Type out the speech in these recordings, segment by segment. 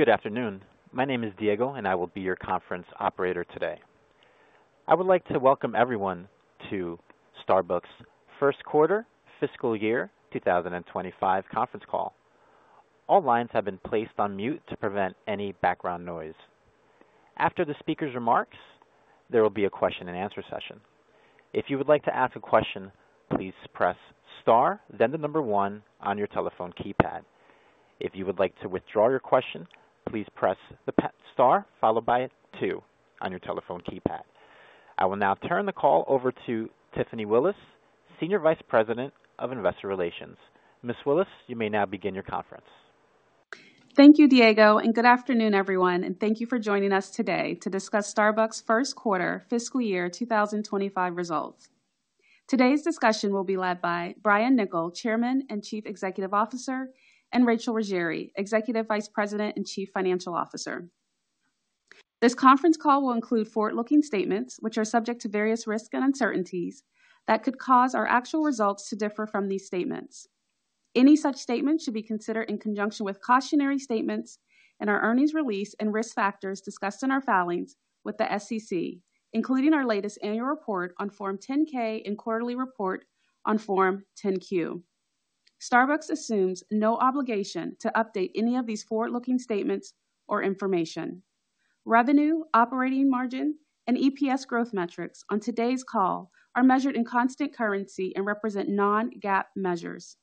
Good afternoon. My name is Diego, and I will be your conference operator today. I would like to welcome everyone to Starbucks' First Quarter, Fiscal Year 2025 Conference Call. All lines have been placed on mute to prevent any background noise. After the speaker's remarks, there will be a question-and-answer session. If you would like to ask a question, please press star, then the number one on your telephone keypad. If you would like to withdraw your question, please press the star followed by two on your telephone keypad. I will now turn the call over to Tiffany Willis, Senior Vice President of Investor Relations. Ms. Willis, you may now begin your conference. Thank you, Diego, and good afternoon, everyone. Thank you for joining us today to discuss Starbucks' first quarter, fiscal year 2025 results. Today's discussion will be led by Brian Niccol, Chairman and Chief Executive Officer, and Rachel Ruggeri, Executive Vice President and Chief Financial Officer. This conference call will include forward-looking statements, which are subject to various risks and uncertainties that could cause our actual results to differ from these statements. Any such statements should be considered in conjunction with cautionary statements and our earnings release and risk factors discussed in our filings with the SEC, including our latest annual report on Form 10-K and quarterly report on Form 10-Q. Starbucks assumes no obligation to update any of these forward-looking statements or information. Revenue, operating margin, and EPS growth metrics on today's call are measured in constant currency and represent non-GAAP measures.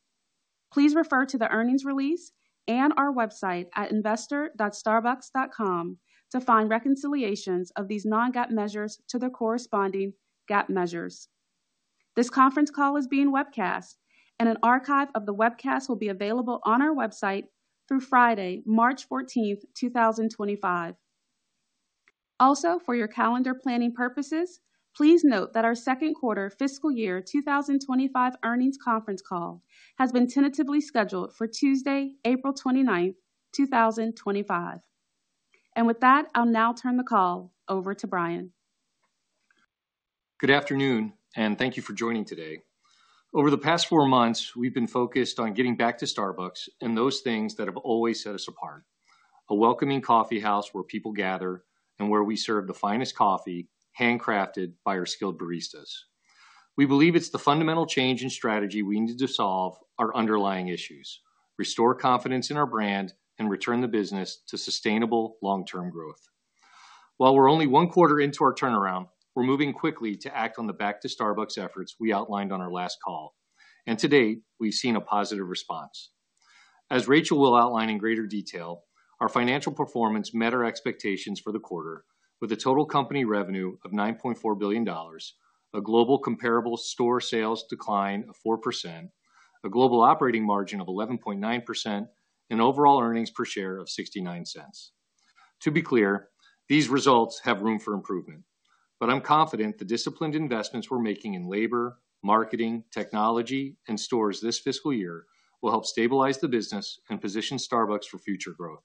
Please refer to the earnings release and our website at investor.starbucks.com to find reconciliations of these non-GAAP measures to their corresponding GAAP measures. This conference call is being webcast, and an archive of the webcast will be available on our website through Friday, March 14, 2025. Also, for your calendar planning purposes, please note that our second quarter, fiscal year 2025 earnings conference call has been tentatively scheduled for Tuesday, April 29, 2025. And with that, I'll now turn the call over to Brian. Good afternoon, and thank you for joining today. Over the past four months, we've been focused on getting back to Starbucks and those things that have always set us apart: a welcoming coffeehouse where people gather and where we serve the finest coffee handcrafted by our skilled baristas. We believe it's the fundamental change in strategy we need to solve our underlying issues, restore confidence in our brand, and return the business to sustainable long-term growth. While we're only one quarter into our turnaround, we're moving quickly to act on the Back-to-Starbucks efforts we outlined on our last call. And to date, we've seen a positive response. As Rachel will outline in greater detail, our financial performance met our expectations for the quarter, with a total company revenue of $9.4 billion, a global comparable store sales decline of 4%, a global operating margin of 11.9%, and overall earnings per share of $0.69. To be clear, these results have room for improvement, but I'm confident the disciplined investments we're making in labor, marketing, technology, and stores this fiscal year will help stabilize the business and position Starbucks for future growth.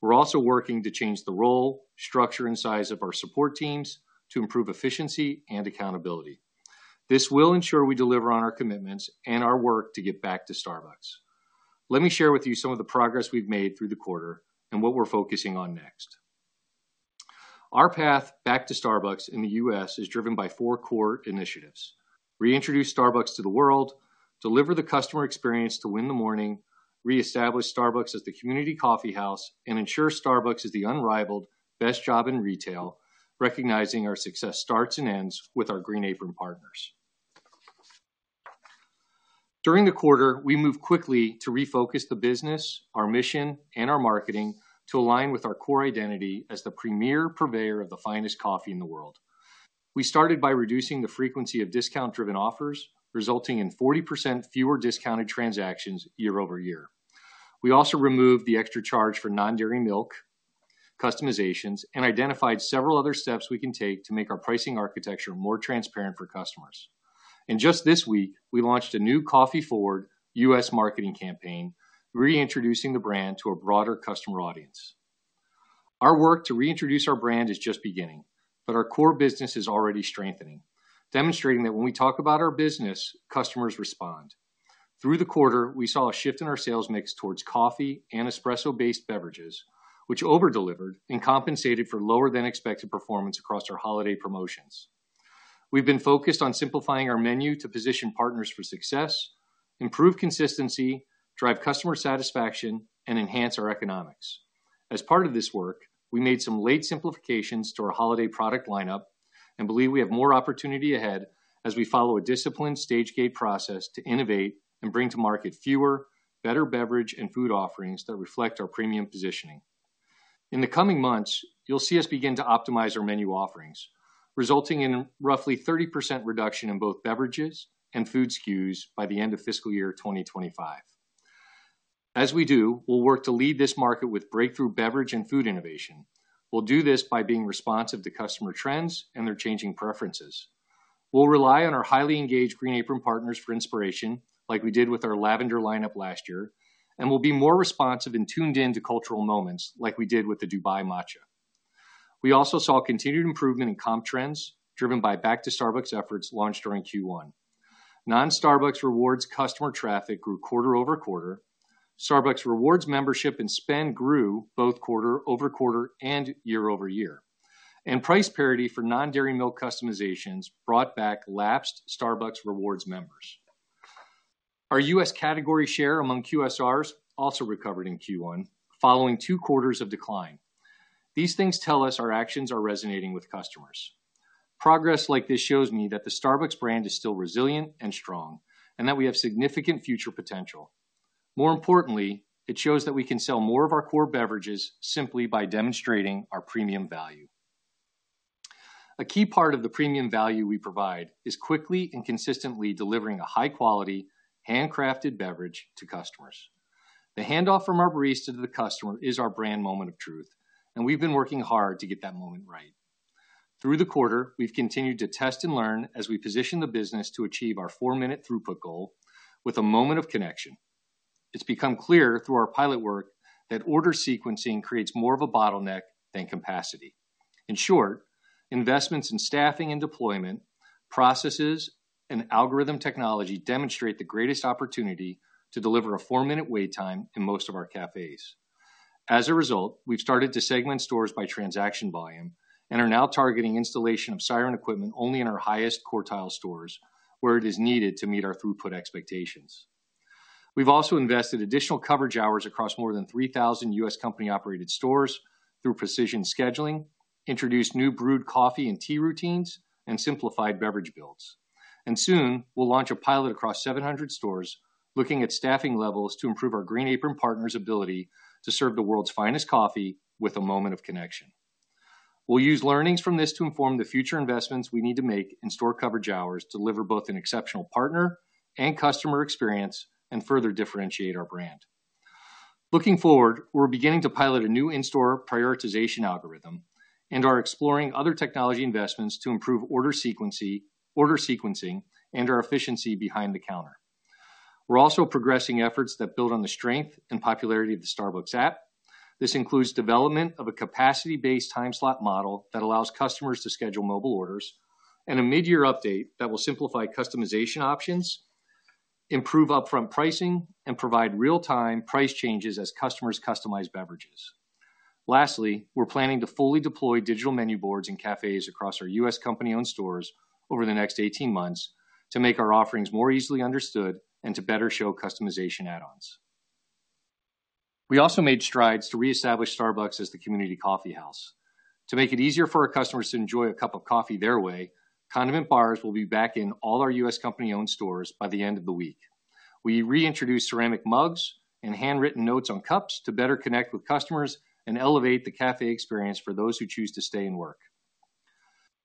We're also working to change the role, structure, and size of our support teams to improve efficiency and accountability. This will ensure we deliver on our commitments and our work to get back to Starbucks. Let me share with you some of the progress we've made through the quarter and what we're focusing on next. Our path back to Starbucks in the U.S. is driven by four core initiatives: reintroduce Starbucks to the world, deliver the customer experience to win the morning, reestablish Starbucks as the community coffeehouse, and ensure Starbucks is the unrivaled best job in retail, recognizing our success starts and ends with our Green Apron partners. During the quarter, we moved quickly to refocus the business, our mission, and our marketing to align with our core identity as the premier purveyor of the finest coffee in the world. We started by reducing the frequency of discount-driven offers, resulting in 40% fewer discounted transactions year over year. We also removed the extra charge for non-dairy milk customizations and identified several other steps we can take to make our pricing architecture more transparent for customers. And just this week, we launched a new Coffee Forward U.S. marketing campaign, reintroducing the brand to a broader customer audience. Our work to reintroduce our brand is just beginning, but our core business is already strengthening, demonstrating that when we talk about our business, customers respond. Through the quarter, we saw a shift in our sales mix towards coffee and espresso-based beverages, which overdelivered and compensated for lower-than-expected performance across our holiday promotions. We've been focused on simplifying our menu to position partners for success, improve consistency, drive customer satisfaction, and enhance our economics. As part of this work, we made some late simplifications to our holiday product lineup and believe we have more opportunity ahead as we follow a disciplined stage-gate process to innovate and bring to market fewer, better beverage and food offerings that reflect our premium positioning. In the coming months, you'll see us begin to optimize our menu offerings, resulting in a roughly 30% reduction in both beverages and food SKUs by the end of fiscal year 2025. As we do, we'll work to lead this market with breakthrough beverage and food innovation. We'll do this by being responsive to customer trends and their changing preferences. We'll rely on our highly engaged Green Apron partners for inspiration, like we did with our lavender lineup last year, and we'll be more responsive and tuned into cultural moments, like we did with the Dubai Matcha. We also saw continued improvement in comp trends driven by back-to-Starbucks efforts launched during Q1. Non-Starbucks Rewards customer traffic grew quarter over quarter. Starbucks Rewards membership and spend grew both quarter over quarter and year over year. And price parity for non-dairy milk customizations brought back lapsed Starbucks Rewards members. Our U.S. category share among QSRs also recovered in Q1, following two quarters of decline. These things tell us our actions are resonating with customers. Progress like this shows me that the Starbucks brand is still resilient and strong and that we have significant future potential. More importantly, it shows that we can sell more of our core beverages simply by demonstrating our premium value. A key part of the premium value we provide is quickly and consistently delivering a high-quality, handcrafted beverage to customers. The handoff from our barista to the customer is our brand moment of truth, and we've been working hard to get that moment right. Through the quarter, we've continued to test and learn as we position the business to achieve our four-minute throughput goal with a moment of connection. It's become clear through our pilot work that order sequencing creates more of a bottleneck than capacity. In short, investments in staffing and deployment, processes, and algorithm technology demonstrate the greatest opportunity to deliver a four-minute wait time in most of our cafes. As a result, we've started to segment stores by transaction volume and are now targeting installation of Siren equipment only in our highest quartile stores where it is needed to meet our throughput expectations. We've also invested additional coverage hours across more than 3,000 U.S. company-operated stores through precision scheduling, introduced new brewed coffee and tea routines, and simplified beverage builds, and soon, we'll launch a pilot across 700 stores looking at staffing levels to improve our Green Apron partners' ability to serve the world's finest coffee with a moment of connection. We'll use learnings from this to inform the future investments we need to make in store coverage hours to deliver both an exceptional partner and customer experience and further differentiate our brand. Looking forward, we're beginning to pilot a new in-store prioritization algorithm and are exploring other technology investments to improve order sequencing and our efficiency behind the counter. We're also progressing efforts that build on the strength and popularity of the Starbucks app. This includes development of a capacity-based time slot model that allows customers to schedule mobile orders and a mid-year update that will simplify customization options, improve upfront pricing, and provide real-time price changes as customers customize beverages. Lastly, we're planning to fully deploy digital menu boards in cafes across our U.S. company-owned stores over the next 18 months to make our offerings more easily understood and to better show customization add-ons. We also made strides to reestablish Starbucks as the community coffeehouse. To make it easier for our customers to enjoy a cup of coffee their way, condiment bars will be back in all our U.S. company-owned stores by the end of the week. We reintroduced ceramic mugs and handwritten notes on cups to better connect with customers and elevate the cafe experience for those who choose to stay and work.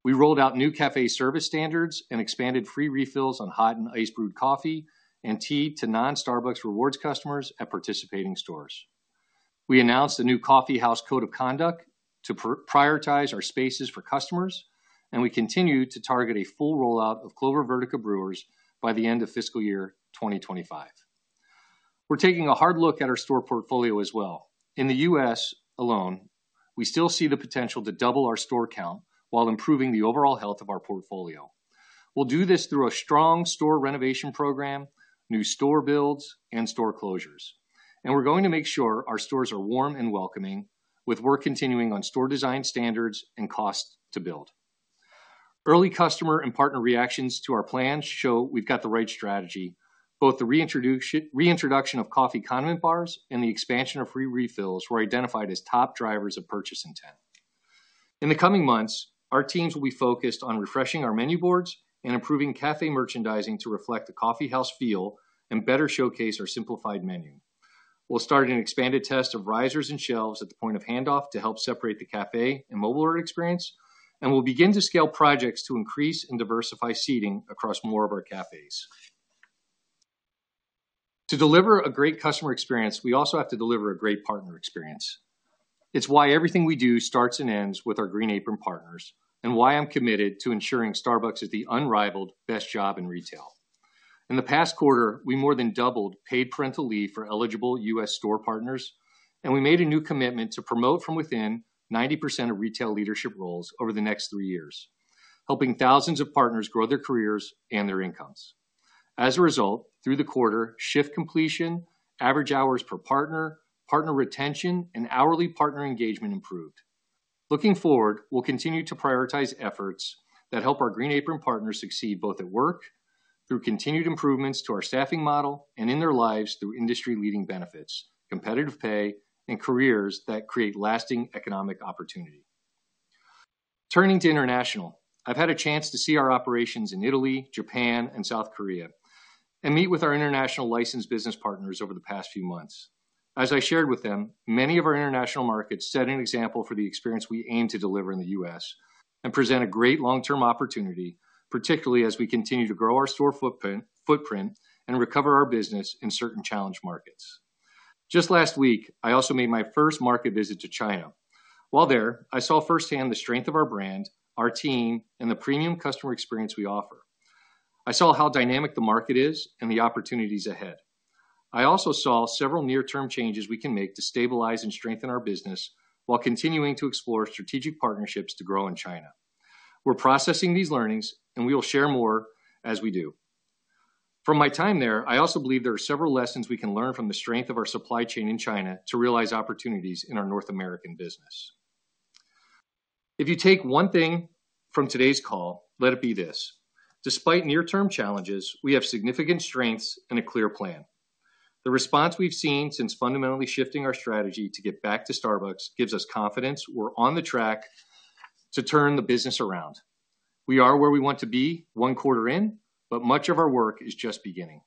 We rolled out new cafe service standards and expanded free refills on hot and ice brewed coffee and tea to non-Starbucks Rewards customers at participating stores. We announced a new coffeehouse code of conduct to prioritize our spaces for customers, and we continue to target a full rollout of Clover Vertica brewers by the end of fiscal year 2025. We're taking a hard look at our store portfolio as well. In the U.S. alone, we still see the potential to double our store count while improving the overall health of our portfolio. We'll do this through a strong store renovation program, new store builds, and store closures. We're going to make sure our stores are warm and welcoming, with work continuing on store design standards and cost to build. Early customer and partner reactions to our plan show we've got the right strategy. Both the reintroduction of coffee condiment bars and the expansion of free refills were identified as top drivers of purchase intent. In the coming months, our teams will be focused on refreshing our menu boards and improving cafe merchandising to reflect the coffeehouse feel and better showcase our simplified menu. We'll start an expanded test of risers and shelves at the point of handoff to help separate the cafe and mobile order experience, and we'll begin to scale projects to increase and diversify seating across more of our cafes. To deliver a great customer experience, we also have to deliver a great partner experience. It's why everything we do starts and ends with our Green Apron partners and why I'm committed to ensuring Starbucks is the unrivaled best job in retail. In the past quarter, we more than doubled paid parental leave for eligible U.S. store partners, and we made a new commitment to promote from within 90% of retail leadership roles over the next three years, helping thousands of partners grow their careers and their incomes. As a result, through the quarter, shift completion, average hours per partner, partner retention, and hourly partner engagement improved. Looking forward, we'll continue to prioritize efforts that help our Green Apron partners succeed both at work through continued improvements to our staffing model and in their lives through industry-leading benefits, competitive pay, and careers that create lasting economic opportunity. Turning to international, I've had a chance to see our operations in Italy, Japan, and South Korea and meet with our international licensed business partners over the past few months. As I shared with them, many of our international markets set an example for the experience we aim to deliver in the U.S. and present a great long-term opportunity, particularly as we continue to grow our store footprint and recover our business in certain challenge markets. Just last week, I also made my first market visit to China. While there, I saw firsthand the strength of our brand, our team, and the premium customer experience we offer. I saw how dynamic the market is and the opportunities ahead. I also saw several near-term changes we can make to stabilize and strengthen our business while continuing to explore strategic partnerships to grow in China. We're processing these learnings, and we will share more as we do. From my time there, I also believe there are several lessons we can learn from the strength of our supply chain in China to realize opportunities in our North American business. If you take one thing from today's call, let it be this: despite near-term challenges, we have significant strengths and a clear plan. The response we've seen since fundamentally shifting our strategy to get Back-to-Starbucks gives us confidence we're on the track to turn the business around. We are where we want to be one quarter in, but much of our work is just beginning.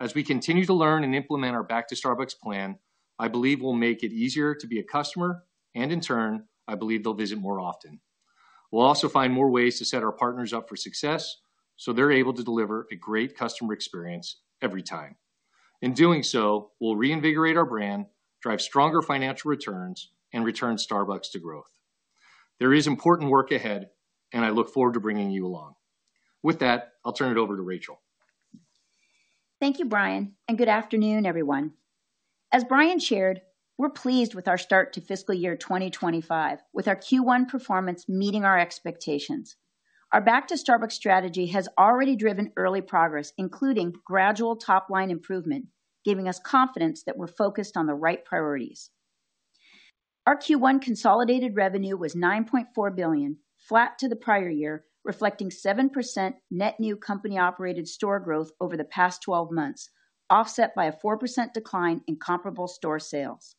As we continue to learn and implement our Back-to-Starbucks plan, I believe we'll make it easier to be a customer, and in turn, I believe they'll visit more often. We'll also find more ways to set our partners up for success so they're able to deliver a great customer experience every time. In doing so, we'll reinvigorate our brand, drive stronger financial returns, and return Starbucks to growth. There is important work ahead, and I look forward to bringing you along. With that, I'll turn it over to Rachel. Thank you, Brian, and good afternoon, everyone. As Brian shared, we're pleased with our start to fiscal year 2025, with our Q1 performance meeting our expectations. Our Back-to-Starbucks strategy has already driven early progress, including gradual top-line improvement, giving us confidence that we're focused on the right priorities. Our Q1 consolidated revenue was $9.4 billion, flat to the prior year, reflecting 7% net new company-operated store growth over the past 12 months, offset by a 4% decline in comparable store sales.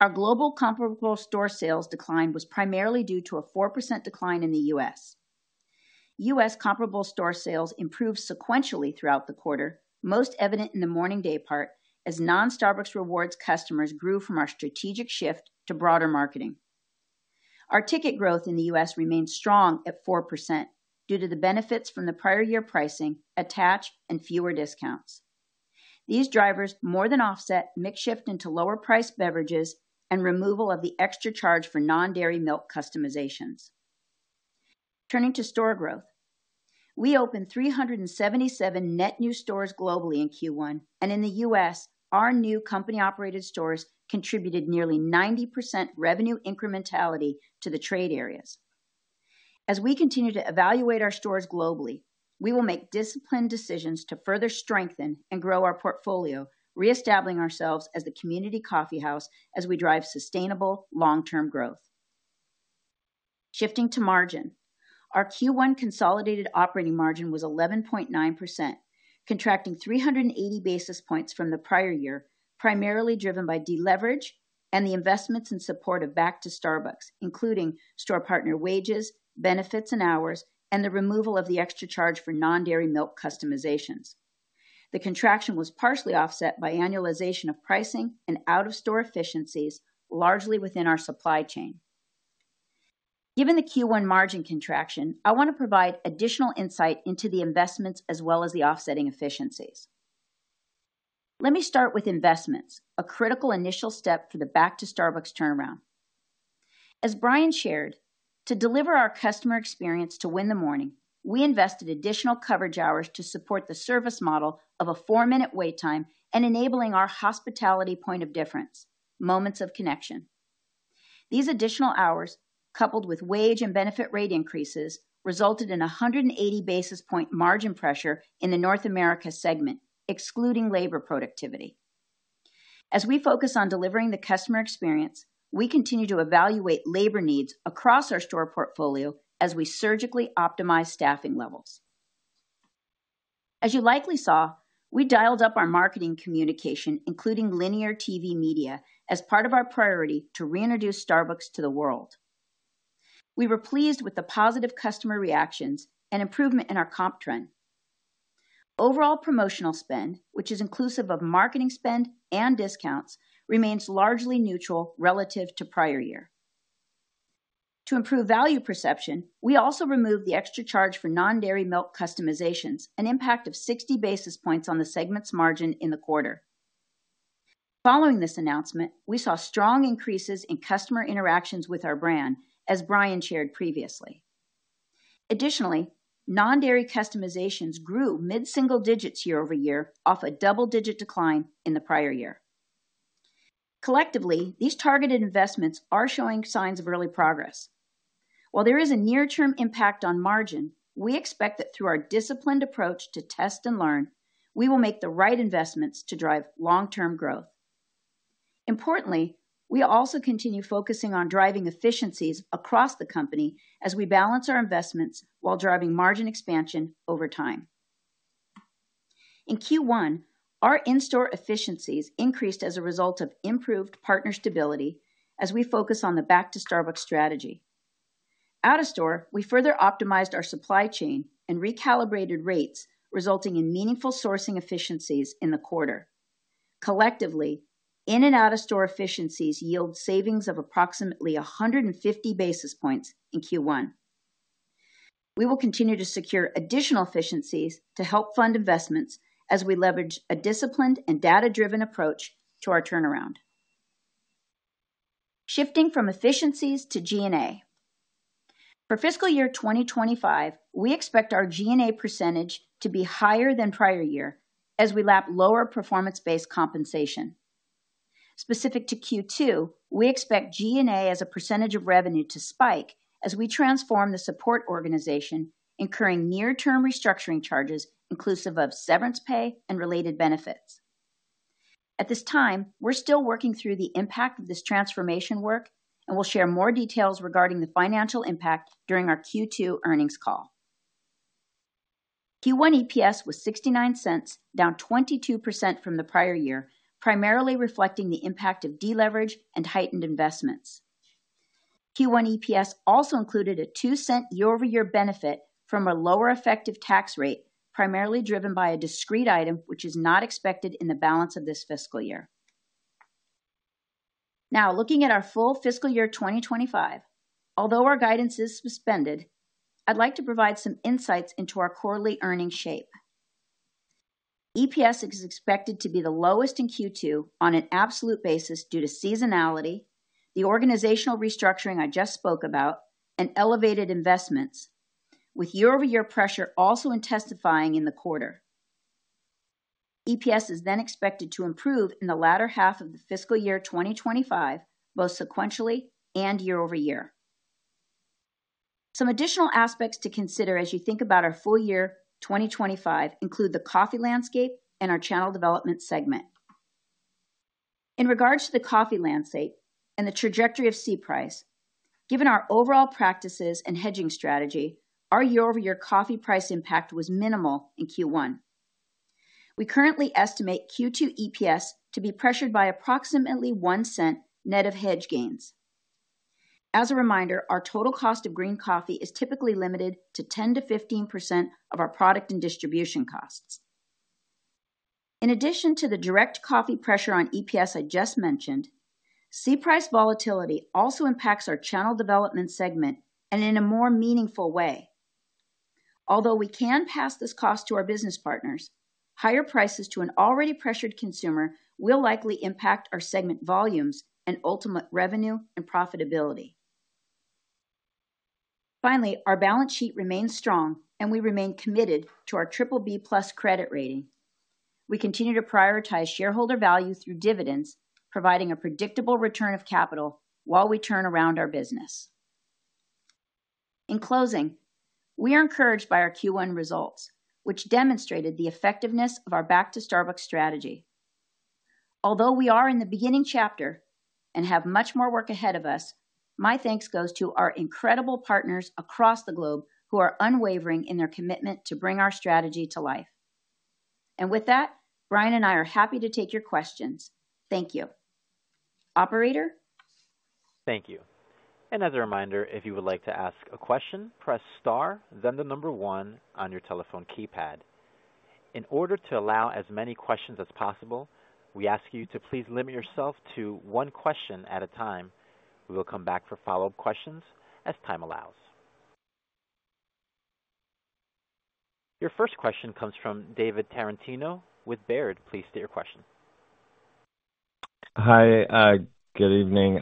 Our global comparable store sales decline was primarily due to a 4% decline in the U.S. comparable store sales improved sequentially throughout the quarter, most evident in the morning day part as non-Starbucks Rewards customers grew from our strategic shift to broader marketing. Our ticket growth in the U.S. remained strong at 4% due to the benefits from the prior year pricing actions and fewer discounts. These drivers more than offset mix shift into lower-priced beverages and removal of the extra charge for non-dairy milk customizations. Turning to store growth, we opened 377 net new stores globally in Q1, and in the U.S., our new company-operated stores contributed nearly 90% revenue incrementality to the trade areas. As we continue to evaluate our stores globally, we will make disciplined decisions to further strengthen and grow our portfolio, reestablishing ourselves as the community coffeehouse as we drive sustainable long-term growth. Shifting to margin, our Q1 consolidated operating margin was 11.9%, contracting 380 basis points from the prior year, primarily driven by deleverage and the investments in support of Back-to-Starbucks, including store partner wages, benefits and hours, and the removal of the extra charge for non-dairy milk customizations. The contraction was partially offset by annualization of pricing and out-of-store efficiencies, largely within our supply chain. Given the Q1 margin contraction, I want to provide additional insight into the investments as well as the offsetting efficiencies. Let me start with investments, a critical initial step for the Back-to-Starbucks turnaround. As Brian shared, to deliver our customer experience to win the morning, we invested additional coverage hours to support the service model of a four-minute wait time and enabling our hospitality point of difference, moments of connection. These additional hours, coupled with wage and benefit rate increases, resulted in a 180 basis point margin pressure in the North America segment, excluding labor productivity. As we focus on delivering the customer experience, we continue to evaluate labor needs across our store portfolio as we surgically optimize staffing levels. As you likely saw, we dialed up our marketing communication, including linear TV media, as part of our priority to reintroduce Starbucks to the world. We were pleased with the positive customer reactions and improvement in our comp trend. Overall promotional spend, which is inclusive of marketing spend and discounts, remains largely neutral relative to prior year. To improve value perception, we also removed the extra charge for non-dairy milk customizations, an impact of 60 basis points on the segment's margin in the quarter. Following this announcement, we saw strong increases in customer interactions with our brand, as Brian shared previously. Additionally, non-dairy customizations grew mid-single digits year over year off a double-digit decline in the prior year. Collectively, these targeted investments are showing signs of early progress. While there is a near-term impact on margin, we expect that through our disciplined approach to test and learn, we will make the right investments to drive long-term growth. Importantly, we also continue focusing on driving efficiencies across the company as we balance our investments while driving margin expansion over time. In Q1, our in-store efficiencies increased as a result of improved partner stability as we focus on the Back-to-Starbucks strategy. Out-of-store, we further optimized our supply chain and recalibrated rates, resulting in meaningful sourcing efficiencies in the quarter. Collectively, in and out-of-store efficiencies yield savings of approximately 150 basis points in Q1. We will continue to secure additional efficiencies to help fund investments as we leverage a disciplined and data-driven approach to our turnaround. Shifting from efficiencies to G&A. For fiscal year 2025, we expect our G&A percentage to be higher than prior year as we lap lower performance-based compensation. Specific to Q2, we expect G&A as a percentage of revenue to spike as we transform the support organization, incurring near-term restructuring charges inclusive of severance pay and related benefits. At this time, we're still working through the impact of this transformation work, and we'll share more details regarding the financial impact during our Q2 earnings call. Q1 EPS was $0.69, down 22% from the prior year, primarily reflecting the impact of deleverage and heightened investments. Q1 EPS also included a $0.02 year-over-year benefit from a lower effective tax rate, primarily driven by a discrete item which is not expected in the balance of this fiscal year. Now, looking at our full fiscal year 2025, although our guidance is suspended, I'd like to provide some insights into our quarterly earnings shape. EPS is expected to be the lowest in Q2 on an absolute basis due to seasonality, the organizational restructuring I just spoke about, and elevated investments, with year-over-year pressure also intensifying in the quarter. EPS is then expected to improve in the latter half of the fiscal year 2025, both sequentially and year-over-year. Some additional aspects to consider as you think about our full year 2025 include the coffee landscape and our channel development segment. In regards to the coffee landscape and the trajectory of C price, given our overall practices and hedging strategy, our year-over-year coffee price impact was minimal in Q1. We currently estimate Q2 EPS to be pressured by approximately $0.01 net of hedge gains. As a reminder, our total cost of green coffee is typically limited to 10%-15% of our product and distribution costs. In addition to the direct coffee pressure on EPS I just mentioned, C price volatility also impacts our channel development segment and in a more meaningful way. Although we can pass this cost to our business partners, higher prices to an already pressured consumer will likely impact our segment volumes and ultimate revenue and profitability. Finally, our balance sheet remains strong, and we remain committed to our BBB+ credit rating. We continue to prioritize shareholder value through dividends, providing a predictable return of capital while we turn around our business. In closing, we are encouraged by our Q1 results, which demonstrated the effectiveness of our Back-to-Starbucks strategy. Although we are in the beginning chapter and have much more work ahead of us, my thanks goes to our incredible partners across the globe who are unwavering in their commitment to bring our strategy to life. And with that, Brian and I are happy to take your questions. Thank you. Operator? Thank you. And as a reminder, if you would like to ask a question, press star, then the number one on your telephone keypad. In order to allow as many questions as possible, we ask you to please limit yourself to one question at a time. We will come back for follow-up questions as time allows. Your first question comes from David Tarantino with Baird. Please state your question. Hi. Good evening.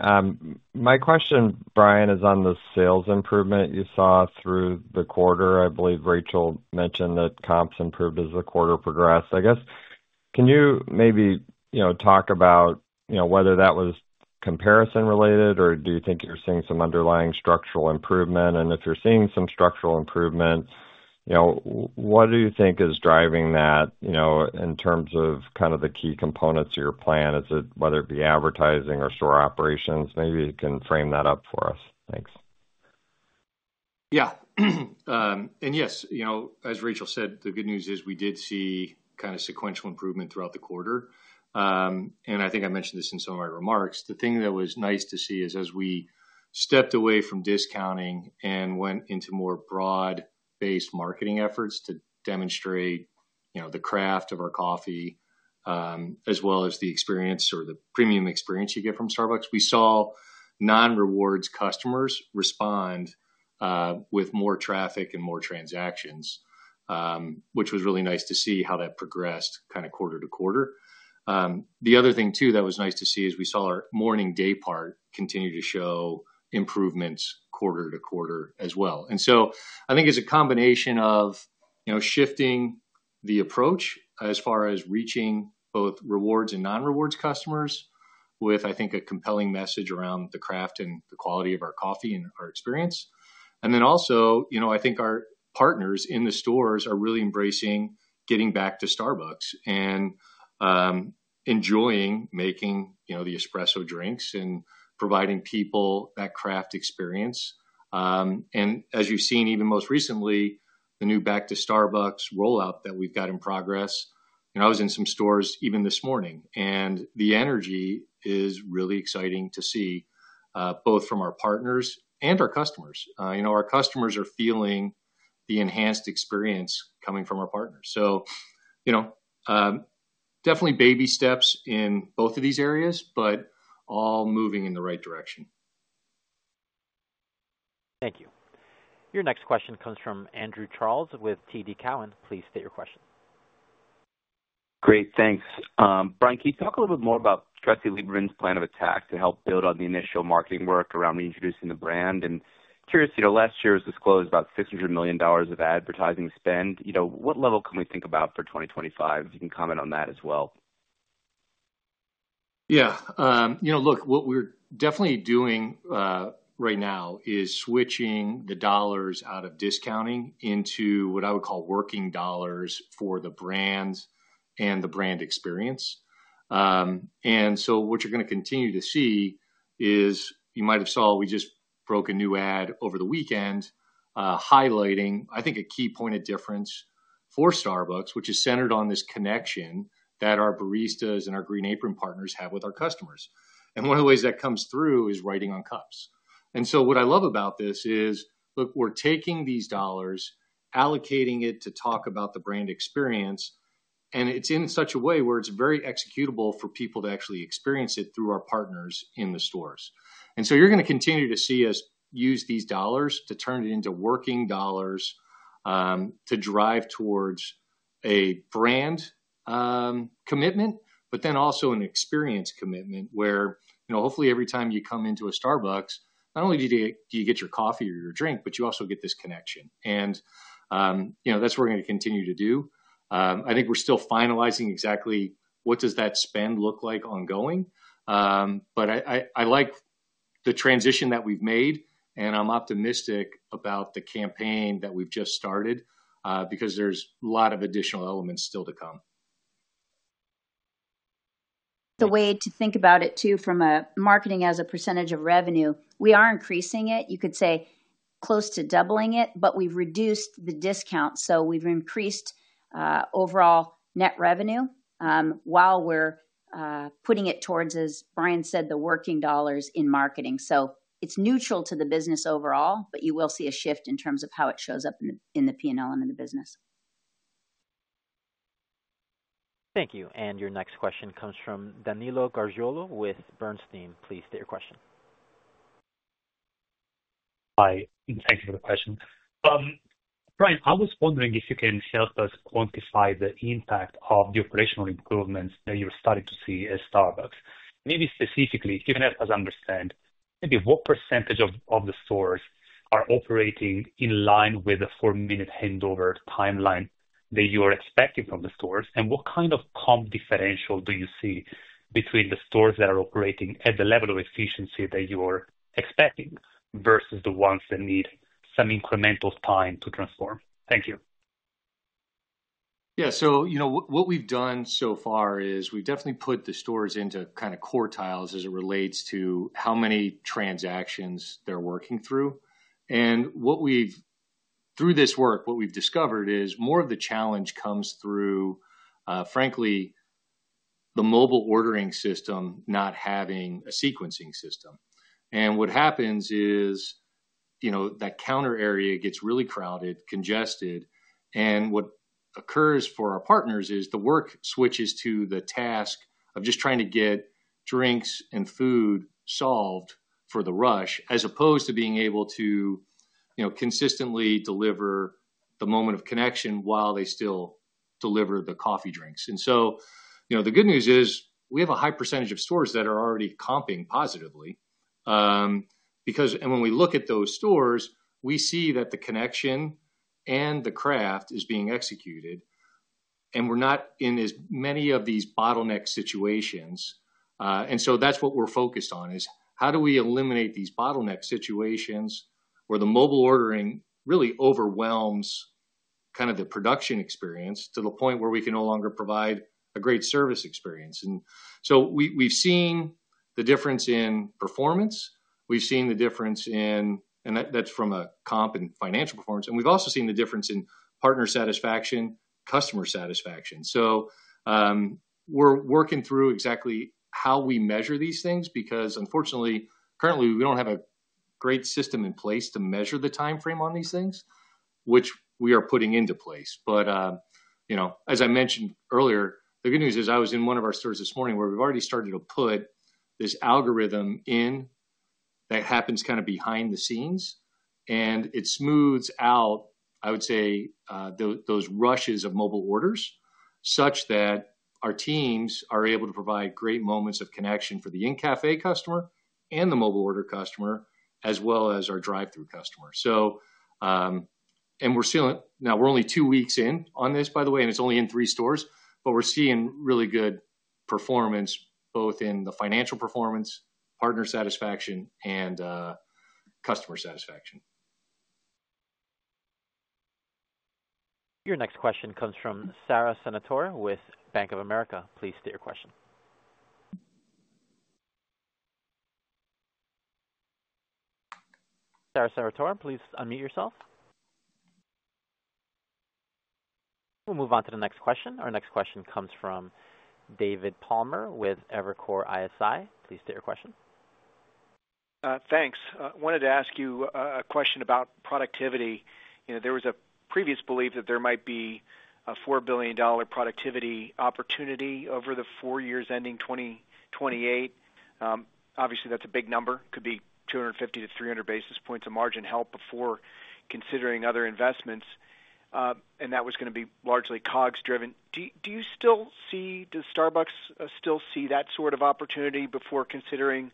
My question, Brian, is on the sales improvement you saw through the quarter. I believe Rachel mentioned that comps improved as the quarter progressed. I guess, can you maybe talk about whether that was comparison-related, or do you think you're seeing some underlying structural improvement? And if you're seeing some structural improvement, what do you think is driving that in terms of kind of the key components of your plan? Is it whether it be advertising or store operations? Maybe you can frame that up for us. Thanks. Yeah. And yes, as Rachel said, the good news is we did see kind of sequential improvement throughout the quarter. And I think I mentioned this in some of my remarks. The thing that was nice to see is as we stepped away from discounting and went into more broad-based marketing efforts to demonstrate the craft of our coffee, as well as the experience or the premium experience you get from Starbucks, we saw non-Rewards customers respond with more traffic and more transactions, which was really nice to see how that progressed kind of quarter to quarter. The other thing, too, that was nice to see is we saw our morning day part continue to show improvements quarter to quarter as well. And so I think it's a combination of shifting the approach as far as reaching both Rewards and non-Rewards customers with, I think, a compelling message around the craft and the quality of our coffee and our experience. And then also, I think our partners in the stores are really embracing getting back to Starbucks and enjoying making the espresso drinks and providing people that craft experience. And as you've seen, even most recently, the new Back-to-Starbucks rollout that we've got in progress. I was in some stores even this morning, and the energy is really exciting to see both from our partners and our customers. Our customers are feeling the enhanced experience coming from our partners. So definitely baby steps in both of these areas, but all moving in the right direction. Thank you. Your next question comes from Andrew Charles with TD Cowen. Please state your question. Great. Thanks. Brian, can you talk a little bit more about Tressie Lieberman's plan of attack to help build on the initial marketing work around reintroducing the brand? And, curious, last year was disclosed about $600 million of advertising spend. What level can we think about for 2025? If you can comment on that as well. Yeah. Look, what we're definitely doing right now is switching the dollars out of discounting into what I would call working dollars for the brands and the brand experience. And so what you're going to continue to see is you might have saw we just broke a new ad over the weekend highlighting, I think, a key point of difference for Starbucks, which is centered on this connection that our baristas and our Green Apron partners have with our customers. And one of the ways that comes through is writing on cups. And so what I love about this is, look, we're taking these dollars, allocating it to talk about the brand experience, and it's in such a way where it's very executable for people to actually experience it through our partners in the stores. And so you're going to continue to see us use these dollars to turn it into working dollars to drive towards a brand commitment, but then also an experience commitment where hopefully every time you come into a Starbucks, not only do you get your coffee or your drink, but you also get this connection. And that's what we're going to continue to do. I think we're still finalizing exactly what does that spend look like ongoing. But I like the transition that we've made, and I'm optimistic about the campaign that we've just started because there's a lot of additional elements still to come. The way to think about it, too, from a marketing as a percentage of revenue, we are increasing it. You could say close to doubling it, but we've reduced the discount. So we've increased overall net revenue while we're putting it towards, as Brian said, the working dollars in marketing. So it's neutral to the business overall, but you will see a shift in terms of how it shows up in the P&L and in the business. Thank you. And your next question comes from Danilo Gargiulo with Bernstein. Please state your question. Hi. Thank you for the question. Brian, I was wondering if you can help us quantify the impact of the operational improvements that you're starting to see at Starbucks. Maybe specifically, if you can help us understand, maybe what percentage of the stores are operating in line with the four-minute handover timeline that you are expecting from the stores, and what kind of comp differential do you see between the stores that are operating at the level of efficiency that you are expecting versus the ones that need some incremental time to transform? Thank you. Yeah. So what we've done so far is we've definitely put the stores into kind of core tiles as it relates to how many transactions they're working through. And through this work, what we've discovered is more of the challenge comes through, frankly, the mobile ordering system not having a sequencing system. What happens is that counter area gets really crowded, congested, and what occurs for our partners is the work switches to the task of just trying to get drinks and food solved for the rush, as opposed to being able to consistently deliver the moment of connection while they still deliver the coffee drinks. The good news is we have a high percentage of stores that are already comping positively. When we look at those stores, we see that the connection and the craft is being executed, and we're not in as many of these bottleneck situations. That's what we're focused on, is how do we eliminate these bottleneck situations where the mobile ordering really overwhelms kind of the production experience to the point where we can no longer provide a great service experience? We've seen the difference in performance. We've seen the difference in, and that's from a comp and financial performance, and we've also seen the difference in partner satisfaction, customer satisfaction, so we're working through exactly how we measure these things because, unfortunately, currently, we don't have a great system in place to measure the timeframe on these things, which we are putting into place, but as I mentioned earlier, the good news is I was in one of our stores this morning where we've already started to put this algorithm in that happens kind of behind the scenes, and it smooths out, I would say, those rushes of mobile orders such that our teams are able to provide great moments of connection for the in-cafe customer and the mobile order customer, as well as our drive-thru customer. And now we're only two weeks in on this, by the way, and it's only in three stores, but we're seeing really good performance both in the financial performance, partner satisfaction, and customer satisfaction. Your next question comes from Sara Senatore with Bank of America. Please state your question. Sara Senatore, please unmute yourself. We'll move on to the next question. Our next question comes from David Palmer with Evercore ISI. Please state your question. Thanks. I wanted to ask you a question about productivity. There was a previous belief that there might be a $4 billion productivity opportunity over the four years ending 2028. Obviously, that's a big number. It could be 250 to 300 basis points of margin help before considering other investments. And that was going to be largely COGS-driven. Do you still see? Does Starbucks still see that sort of opportunity before considering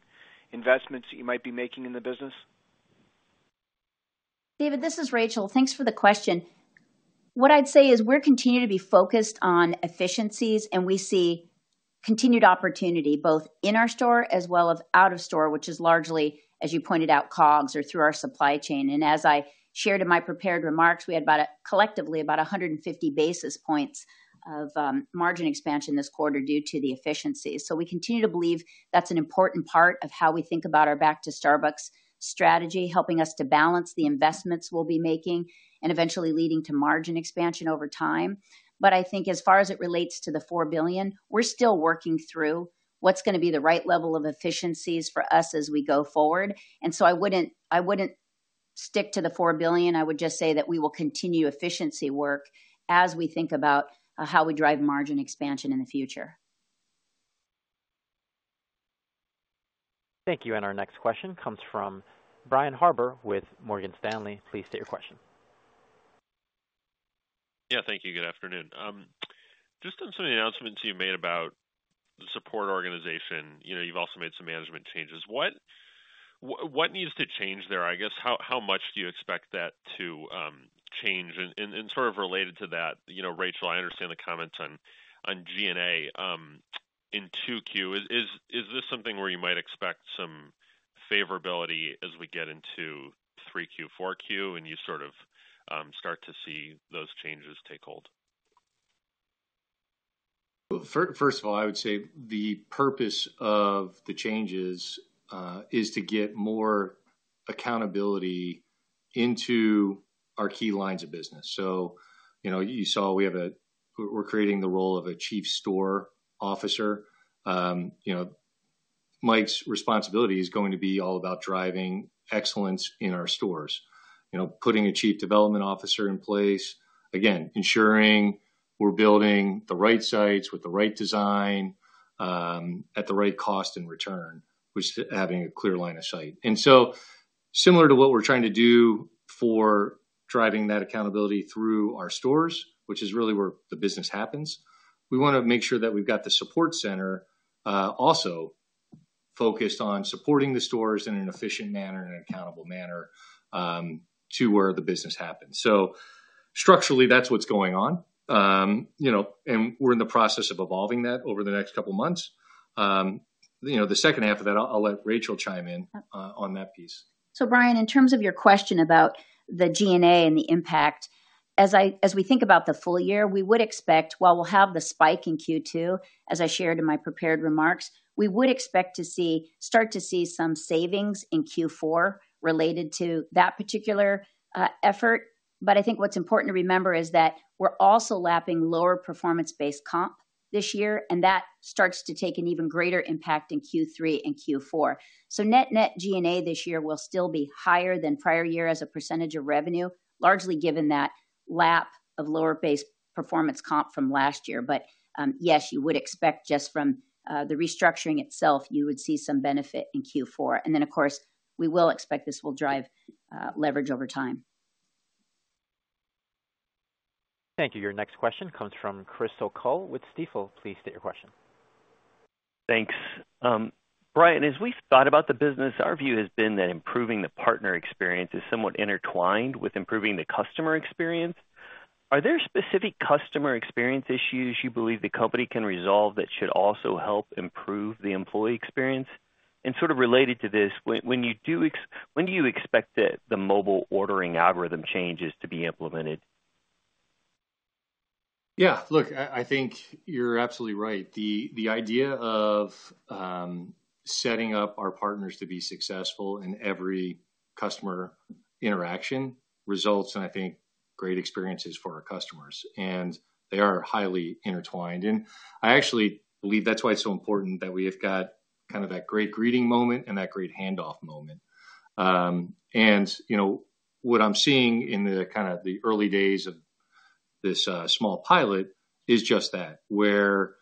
investments you might be making in the business? David, this is Rachel. Thanks for the question. What I'd say is we're continuing to be focused on efficiencies, and we see continued opportunity both in our store as well as out of store, which is largely, as you pointed out, COGS or through our supply chain. And as I shared in my prepared remarks, we had collectively about 150 basis points of margin expansion this quarter due to the efficiencies. So we continue to believe that's an important part of how we think about our Back-to-Starbucks strategy, helping us to balance the investments we'll be making and eventually leading to margin expansion over time. But I think as far as it relates to the $4 billion, we're still working through what's going to be the right level of efficiencies for us as we go forward. And so I wouldn't stick to the $4 billion. I would just say that we will continue efficiency work as we think about how we drive margin expansion in the future. Thank you. And our next question comes from Brian Harbour with Morgan Stanley. Please state your question. Yeah. Thank you. Good afternoon. Just on some of the announcements you made about the support organization, you've also made some management changes. What needs to change there? I guess, how much do you expect that to change? And sort of related to that, Rachel, I understand the comments on G&A in 2Q. Is this something where you might expect some favorability as we get into 3Q, 4Q, and you sort of start to see those changes take hold? First of all, I would say the purpose of the changes is to get more accountability into our key lines of business. So you saw we're creating the role of a chief store officer. Mike's responsibility is going to be all about driving excellence in our stores, putting a chief development officer in place, again, ensuring we're building the right sites with the right design at the right cost and return, which is having a clear line of sight. And so similar to what we're trying to do for driving that accountability through our stores, which is really where the business happens, we want to make sure that we've got the support center also focused on supporting the stores in an efficient manner and an accountable manner to where the business happens. So structurally, that's what's going on. And we're in the process of evolving that over the next couple of months. The second half of that, I'll let Rachel chime in on that piece. So Brian, in terms of your question about the G&A and the impact, as we think about the full year, we would expect, while we'll have the spike in Q2, as I shared in my prepared remarks, we would expect to start to see some savings in Q4 related to that particular effort. But I think what's important to remember is that we're also lapping lower performance-based comp this year, and that starts to take an even greater impact in Q3 and Q4. So net G&A this year will still be higher than prior year as a percentage of revenue, largely given that lap of lower-based performance comp from last year. But yes, you would expect just from the restructuring itself, you would see some benefit in Q4. And then, of course, we will expect this will drive leverage over time. Thank you. Your next question comes from Chris O'Cull with Stifel. Please state your question. Thanks. Brian, as we've thought about the business, our view has been that improving the partner experience is somewhat intertwined with improving the customer experience. Are there specific customer experience issues you believe the company can resolve that should also help improve the employee experience? And, sort of related to this, when do you expect that the mobile ordering algorithm changes to be implemented? Yeah. Look, I think you're absolutely right. The idea of setting up our partners to be successful in every customer interaction results in, I think, great experiences for our customers. And they are highly intertwined. And I actually believe that's why it's so important that we have got kind of that great greeting moment and that great handoff moment. And what I'm seeing in the kind of the early days of this small pilot is just that, where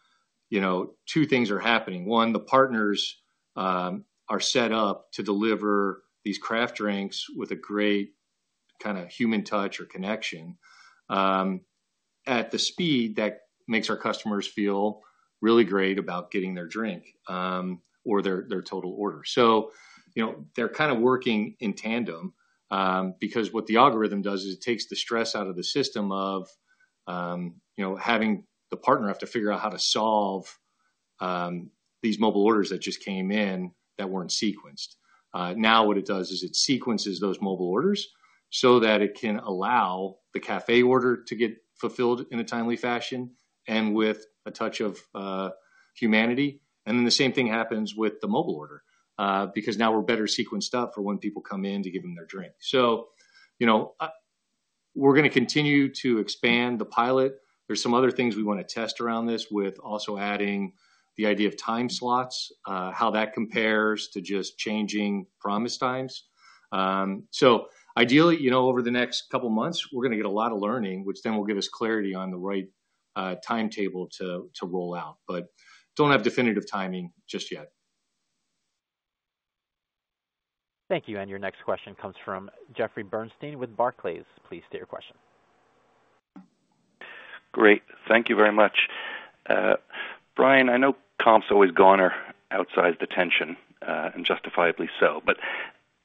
two things are happening. One, the partners are set up to deliver these craft drinks with a great kind of human touch or connection at the speed that makes our customers feel really great about getting their drink or their total order. So they're kind of working in tandem because what the algorithm does is it takes the stress out of the system of having the partner have to figure out how to solve these mobile orders that just came in that weren't sequenced. Now what it does is it sequences those mobile orders so that it can allow the cafe order to get fulfilled in a timely fashion and with a touch of humanity. And then the same thing happens with the mobile order because now we're better sequenced up for when people come in to give them their drink. So we're going to continue to expand the pilot. There's some other things we want to test around this with also adding the idea of time slots, how that compares to just changing promise times. So ideally, over the next couple of months, we're going to get a lot of learning, which then will give us clarity on the right timetable to roll out, but don't have definitive timing just yet. Thank you. And your next question comes from Jeffrey Bernstein with Barclays. Please state your question. Great. Thank you very much. Brian, I know comps always garner outsized attention, and justifiably so. But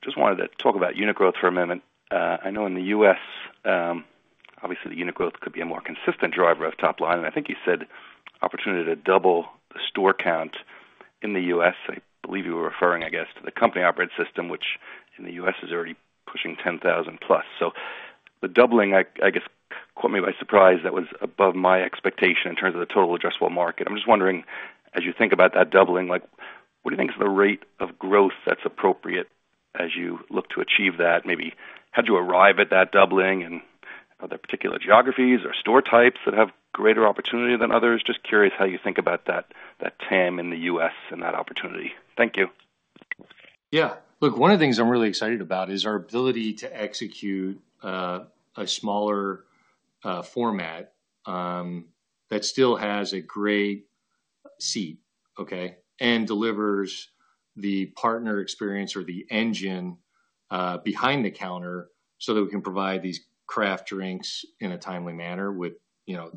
just wanted to talk about unit growth for a moment. I know in the U.S., obviously, the unit growth could be a more consistent driver of top line. And I think you said opportunity to double the store count in the U.S. I believe you were referring, I guess, to the company operating system, which in the U.S. is already pushing 10,000 plus. So the doubling, I guess, caught me by surprise. That was above my expectation in terms of the total addressable market. I'm just wondering, as you think about that doubling, what do you think is the rate of growth that's appropriate as you look to achieve that? Maybe how do you arrive at that doubling in other particular geographies or store types that have greater opportunity than others? Just curious how you think about that TAM in the U.S. and that opportunity. Thank you. Yeah. Look, one of the things I'm really excited about is our ability to execute a smaller format that still has a great seat, okay, and delivers the partner experience or the engine behind the counter so that we can provide these craft drinks in a timely manner with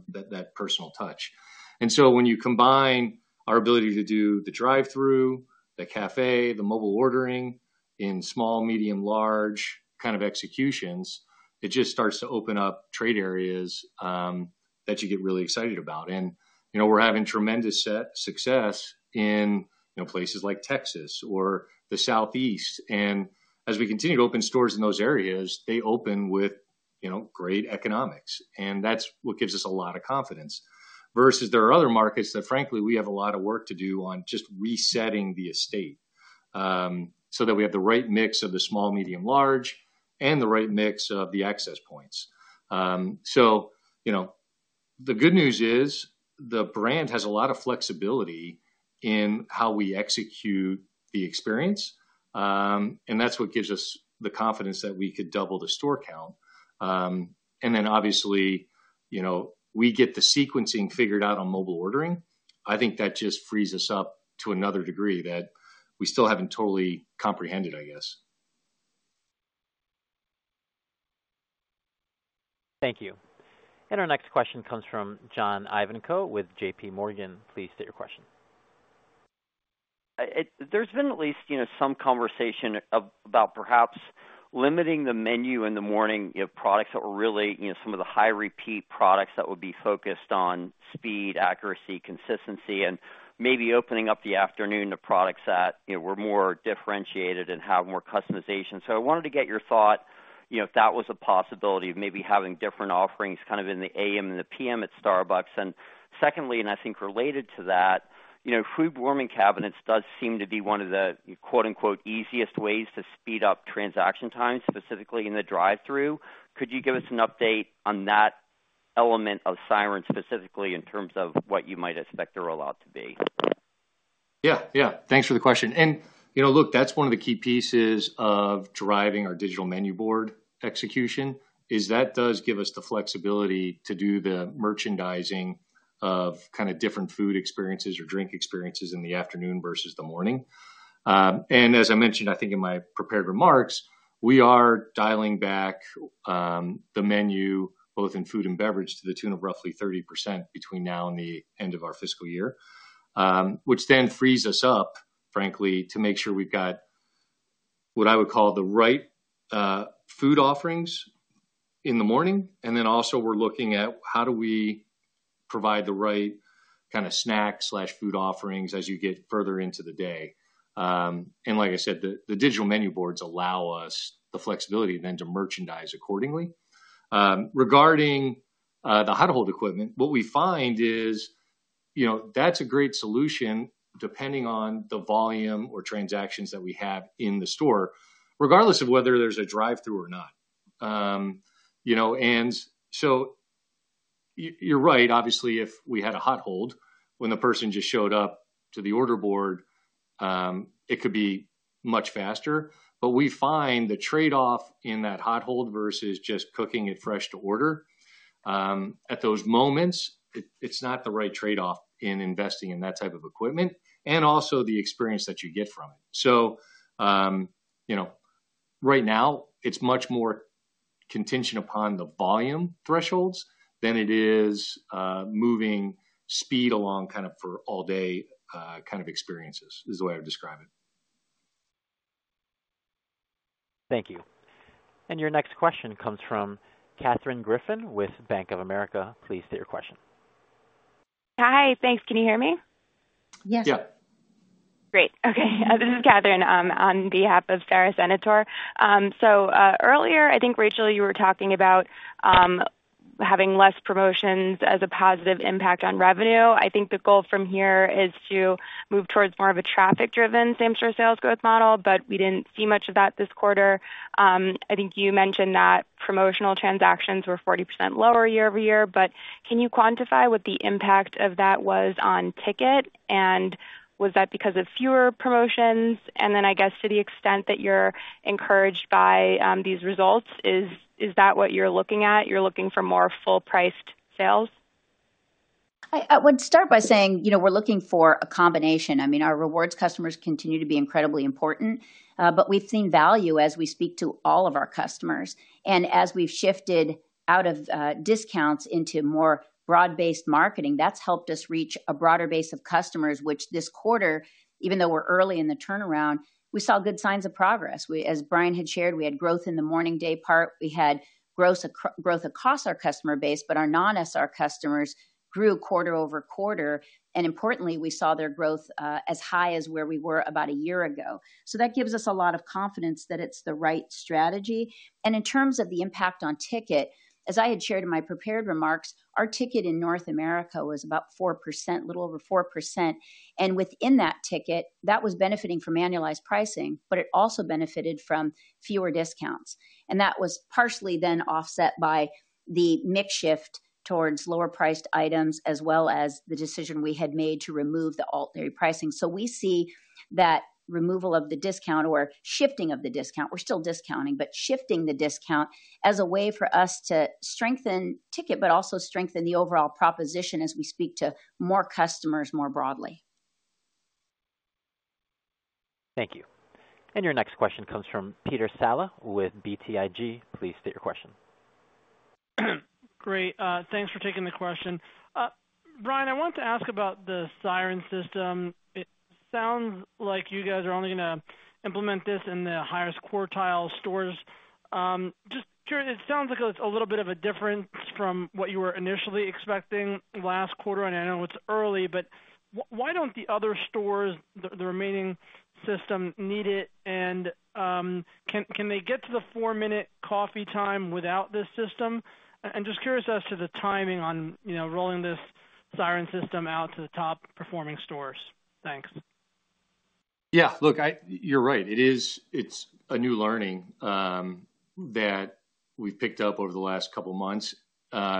that personal touch. And so when you combine our ability to do the drive-thru, the cafe, the mobile ordering in small, medium, large kind of executions, it just starts to open up trade areas that you get really excited about. And we're having tremendous success in places like Texas or the Southeast. And as we continue to open stores in those areas, they open with great economics. And that's what gives us a lot of confidence. Versus there are other markets that, frankly, we have a lot of work to do on just resetting the estate so that we have the right mix of the small, medium, large, and the right mix of the access points. So the good news is the brand has a lot of flexibility in how we execute the experience. And that's what gives us the confidence that we could double the store count. And then, obviously, we get the sequencing figured out on mobile ordering. I think that just frees us up to another degree that we still haven't totally comprehended, I guess. Thank you. And our next question comes from John Ivanko with J.P. Morgan. Please state your question. There's been at least some conversation about perhaps limiting the menu in the morning of products that were really some of the high-repeat products that were focused on speed, accuracy, consistency, and maybe opening up the afternoon to products that were more differentiated and have more customization. So I wanted to get your thought if that was a possibility of maybe having different offerings kind of in the AM and the PM at Starbucks? And secondly, and I think related to that, food warming cabinets does seem to be one of the "easiest" ways to speed up transaction times, specifically in the drive-thru. Could you give us an update on that element of Siren, specifically in terms of what you might expect or allowed to be? Yeah. Yeah. Thanks for the question. And look, that's one of the key pieces of driving our digital menu board execution is that does give us the flexibility to do the merchandising of kind of different food experiences or drink experiences in the afternoon versus the morning. And as I mentioned, I think in my prepared remarks, we are dialing back the menu, both in food and beverage, to the tune of roughly 30% between now and the end of our fiscal year, which then frees us up, frankly, to make sure we've got what I would call the right food offerings in the morning. And then also we're looking at how do we provide the right kind of snacks/food offerings as you get further into the day. And like I said, the digital menu boards allow us the flexibility then to merchandise accordingly. Regarding the hot-hold equipment, what we find is that's a great solution depending on the volume or transactions that we have in the store, regardless of whether there's a drive-thru or not. And so you're right. Obviously, if we had a hot-hold, when the person just showed up to the order board, it could be much faster. But we find the trade-off in that Hot-hold versus just cooking it fresh to order at those moments. It's not the right trade-off in investing in that type of equipment and also the experience that you get from it. So right now, it's much more contingent upon the volume thresholds than it is moving speed along kind of for all-day kind of experiences is the way I would describe it. Thank you. And your next question comes from Katherine Griffin with Bank of America. Please state your question. Hi. Thanks. Can you hear me? Yes. Yeah. Great. Okay. This is Catherine on behalf of Sara Senatore. So earlier, I think, Rachel, you were talking about having less promotions as a positive impact on revenue. I think the goal from here is to move towards more of a traffic-driven same-store sales growth model, but we didn't see much of that this quarter. I think you mentioned that promotional transactions were 40% lower year over year. But can you quantify what the impact of that was on ticket? And was that because of fewer promotions? And then I guess to the extent that you're encouraged by these results, is that what you're looking at? You're looking for more full-priced sales? I would start by saying we're looking for a combination. I mean, our rewards customers continue to be incredibly important, but we've seen value as we speak to all of our customers. And as we've shifted out of discounts into more broad-based marketing, that's helped us reach a broader base of customers, which this quarter, even though we're early in the turnaround, we saw good signs of progress. As Brian had shared, we had growth in the morning day part. We had growth across our customer base, but our non-SR customers grew quarter over quarter. And importantly, we saw their growth as high as where we were about a year ago. So that gives us a lot of confidence that it's the right strategy. And in terms of the impact on ticket, as I had shared in my prepared remarks, our ticket in North America was about 4%, a little over 4%. And within that ticket, that was benefiting from annualized pricing, but it also benefited from fewer discounts. And that was partially then offset by the mix shift towards lower-priced items as well as the decision we had made to remove the alt dairy pricing. So we see that removal of the discount or shifting of the discount. We're still discounting, but shifting the discount as a way for us to strengthen ticket, but also strengthen the overall proposition as we speak to more customers more broadly. Thank you. And your next question comes from Peter Saleh with BTIG. Please state your question. Great. Thanks for taking the question. Brian, I want to ask about the Siren System. It sounds like you guys are only going to implement this in the highest quartile stores. Just curious, it sounds like it's a little bit of a difference from what you were initially expecting last quarter. And I know it's early, but why don't the other stores, the remaining system, need it? And can they get to the four-minute coffee time without this system? And just curious as to the timing on rolling this Siren System out to the top-performing stores. Thanks. Yeah. Look, you're right. It's a new learning that we've picked up over the last couple of months,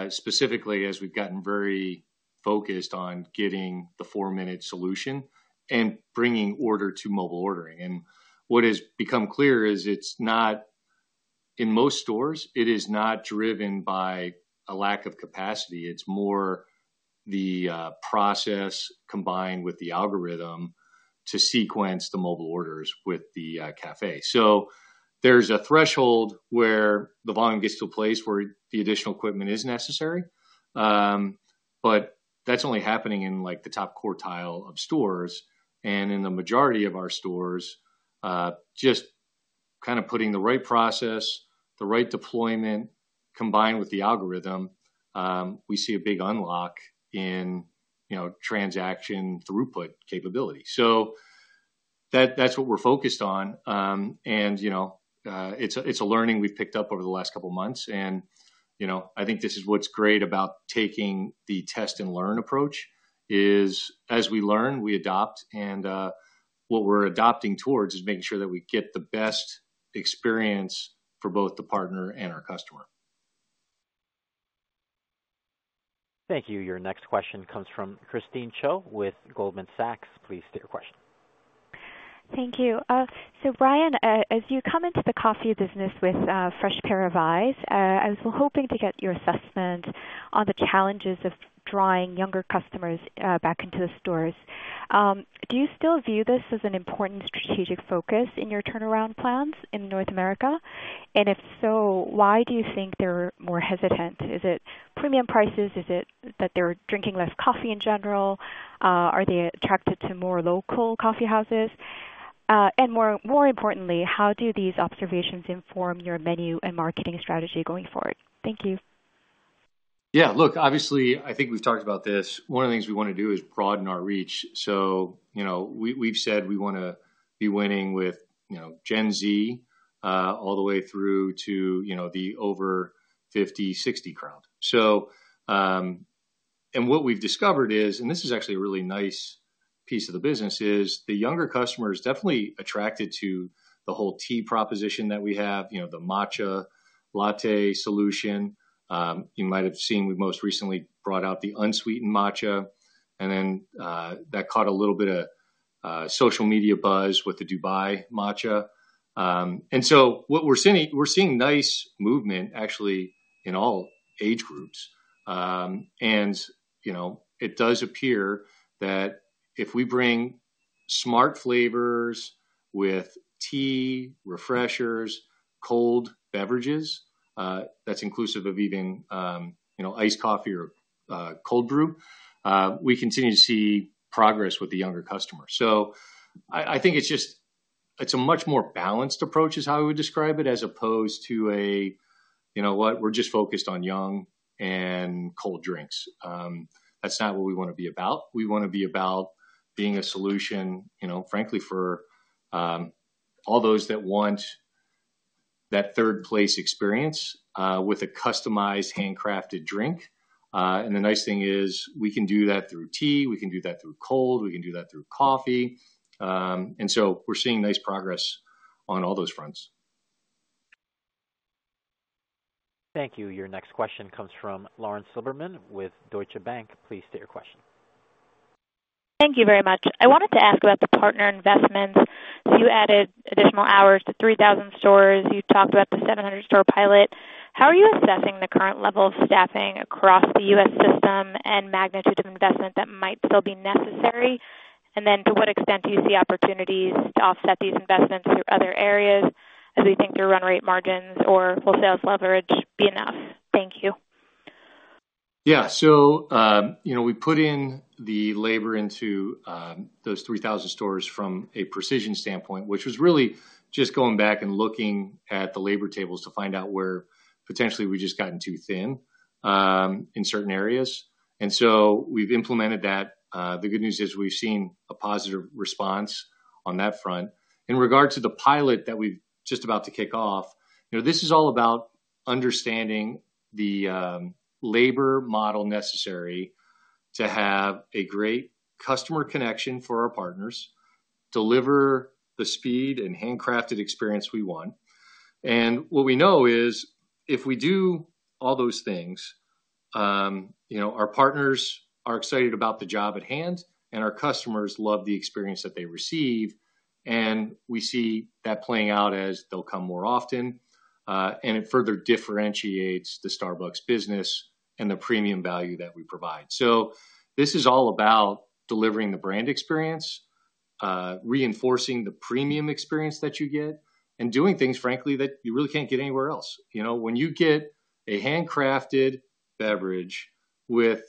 specifically as we've gotten very focused on getting the four-minute solution and bringing order to mobile ordering. And what has become clear is it's not, in most stores, it is not driven by a lack of capacity. It's more the process combined with the algorithm to sequence the mobile orders with the cafe. So there's a threshold where the volume gets to a place where the additional equipment is necessary. But that's only happening in the top quartile of stores. And in the majority of our stores, just kind of putting the right process, the right deployment combined with the algorithm, we see a big unlock in transaction throughput capability. So that's what we're focused on. And it's a learning we've picked up over the last couple of months. And I think this is what's great about taking the test-and-learn approach is as we learn, we adopt. And what we're adopting towards is making sure that we get the best experience for both the partner and our customer. Thank you. Your next question comes from Christine Cho with Goldman Sachs. Please state your question. Thank you. So Brian, as you come into the coffee business with fresh pair of eyes, I was hoping to get your assessment on the challenges of drawing younger customers back into the stores. Do you still view this as an important strategic focus in your turnaround plans in North America? And if so, why do you think they're more hesitant? Is it premium prices? Is it that they're drinking less coffee in general? Are they attracted to more local coffeehouses? And more importantly, how do these observations inform your menu and marketing strategy going forward? Thank you. Yeah. Look, obviously, I think we've talked about this. One of the things we want to do is broaden our reach. So we've said we want to be winning with Gen Z all the way through to the over-50, 60 crowd. And what we've discovered is, and this is actually a really nice piece of the business, is the younger customer is definitely attracted to the whole tea proposition that we have, the matcha latte solution. You might have seen we most recently brought out the unsweetened Matcha. And then that caught a little bit of social media buzz with the Dubai Matcha. And so we're seeing nice movement actually in all age groups. And it does appear that if we bring smart flavors with tea, refreshers, cold beverages, that's inclusive of even iced coffee or cold brew, we continue to see progress with the younger customer. So I think it's a much more balanced approach is how I would describe it as opposed to a, you know what, we're just focused on young and cold drinks. That's not what we want to be about. We want to be about being a solution, frankly, for all those that want that third-place experience with a customized handcrafted drink. And the nice thing is we can do that through tea. We can do that through cold. We can do that through coffee. And so we're seeing nice progress on all those fronts. Thank you. Your next question comes from Lauren Silberman with Deutsche Bank. Please state your question. Thank you very much. I wanted to ask about the partner investments. You added additional hours to 3,000 stores. You talked about the 700-store pilot. How are you assessing the current level of staffing across the U.S. system and magnitude of investment that might still be necessary? And then to what extent do you see opportunities to offset these investments through other areas as we think through run rate margins or full-sales leverage be enough? Thank you. Yeah, so we put in the labor into those 3,000 stores from a precision standpoint, which was really just going back and looking at the labor tables to find out where potentially we just gotten too thin in certain areas. And so we've implemented that. The good news is we've seen a positive response on that front. In regard to the pilot that we're just about to kick off, this is all about understanding the labor model necessary to have a great customer connection for our partners, deliver the speed and handcrafted experience we want. And what we know is if we do all those things, our partners are excited about the job at hand, and our customers love the experience that they receive. And we see that playing out as they'll come more often. And it further differentiates the Starbucks business and the premium value that we provide. So this is all about delivering the brand experience, reinforcing the premium experience that you get, and doing things, frankly, that you really can't get anywhere else. When you get a handcrafted beverage with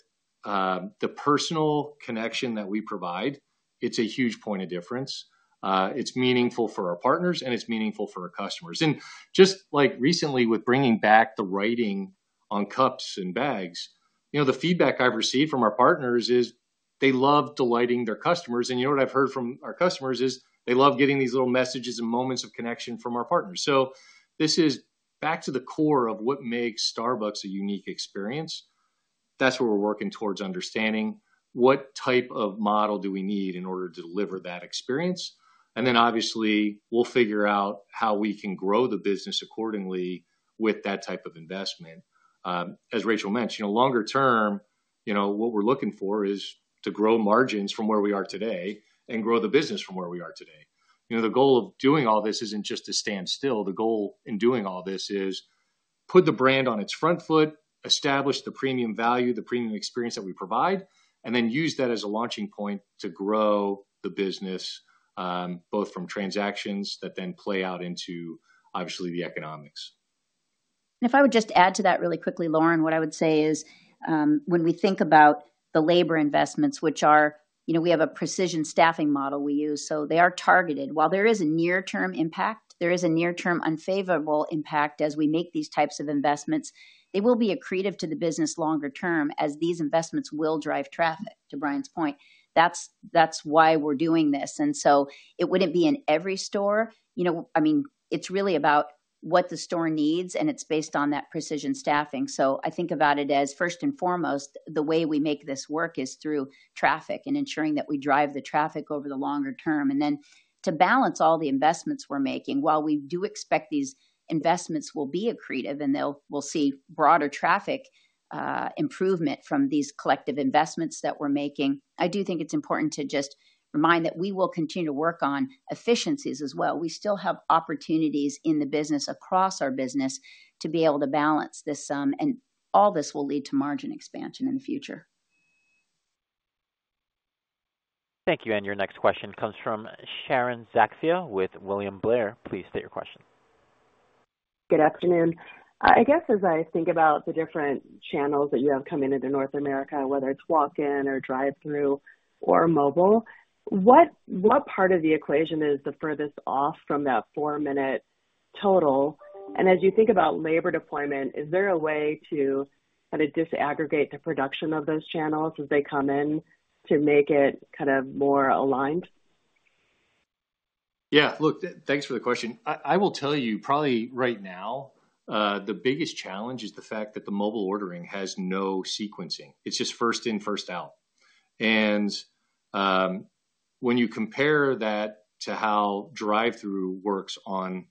the personal connection that we provide, it's a huge point of difference. It's meaningful for our partners, and it's meaningful for our customers. And just like recently with bringing back the writing on cups and bags, the feedback I've received from our partners is they love delighting their customers. And what I've heard from our customers is they love getting these little messages and moments of connection from our partners. So this is back to the core of what makes Starbucks a unique experience. That's what we're working towards understanding. What type of model do we need in order to deliver that experience? And then obviously, we'll figure out how we can grow the business accordingly with that type of investment. As Rachel mentioned, longer term, what we're looking for is to grow margins from where we are today and grow the business from where we are today. The goal of doing all this isn't just to stand still. The goal in doing all this is to put the brand on its front foot, establish the premium value, the premium experience that we provide, and then use that as a launching point to grow the business, both from transactions that then play out into, obviously, the economics. And if I would just add to that really quickly, Lauren, what I would say is when we think about the labor investments, which we have a precision staffing model we use, so they are targeted. While there is a near-term impact, there is a near-term unfavorable impact as we make these types of investments. They will be a credit to the business longer term as these investments will drive traffic, to Brian's point. That's why we're doing this. And so it wouldn't be in every store. I mean, it's really about what the store needs, and it's based on that precision staffing. So I think about it as first and foremost, the way we make this work is through traffic and ensuring that we drive the traffic over the longer term. And then to balance all the investments we're making, while we do expect these investments will be accretive and we'll see broader traffic improvement from these collective investments that we're making, I do think it's important to just remind that we will continue to work on efficiencies as well. We still have opportunities in the business across our business to be able to balance this. And all this will lead to margin expansion in the future. Thank you. And your next question comes from Sharon Zackfia with William Blair. Please state your question. Good afternoon. I guess as I think about the different channels that you have coming into North America, whether it's walk-in or drive-through or mobile, what part of the equation is the furthest off from that four-minute total? And as you think about labor deployment, is there a way to kind of disaggregate the production of those channels as they come in to make it kind of more aligned? Yeah. Look, thanks for the question. I will tell you, probably right now, the biggest challenge is the fact that the mobile ordering has no sequencing. It's just first in, first out. And when you compare that to how drive-through works on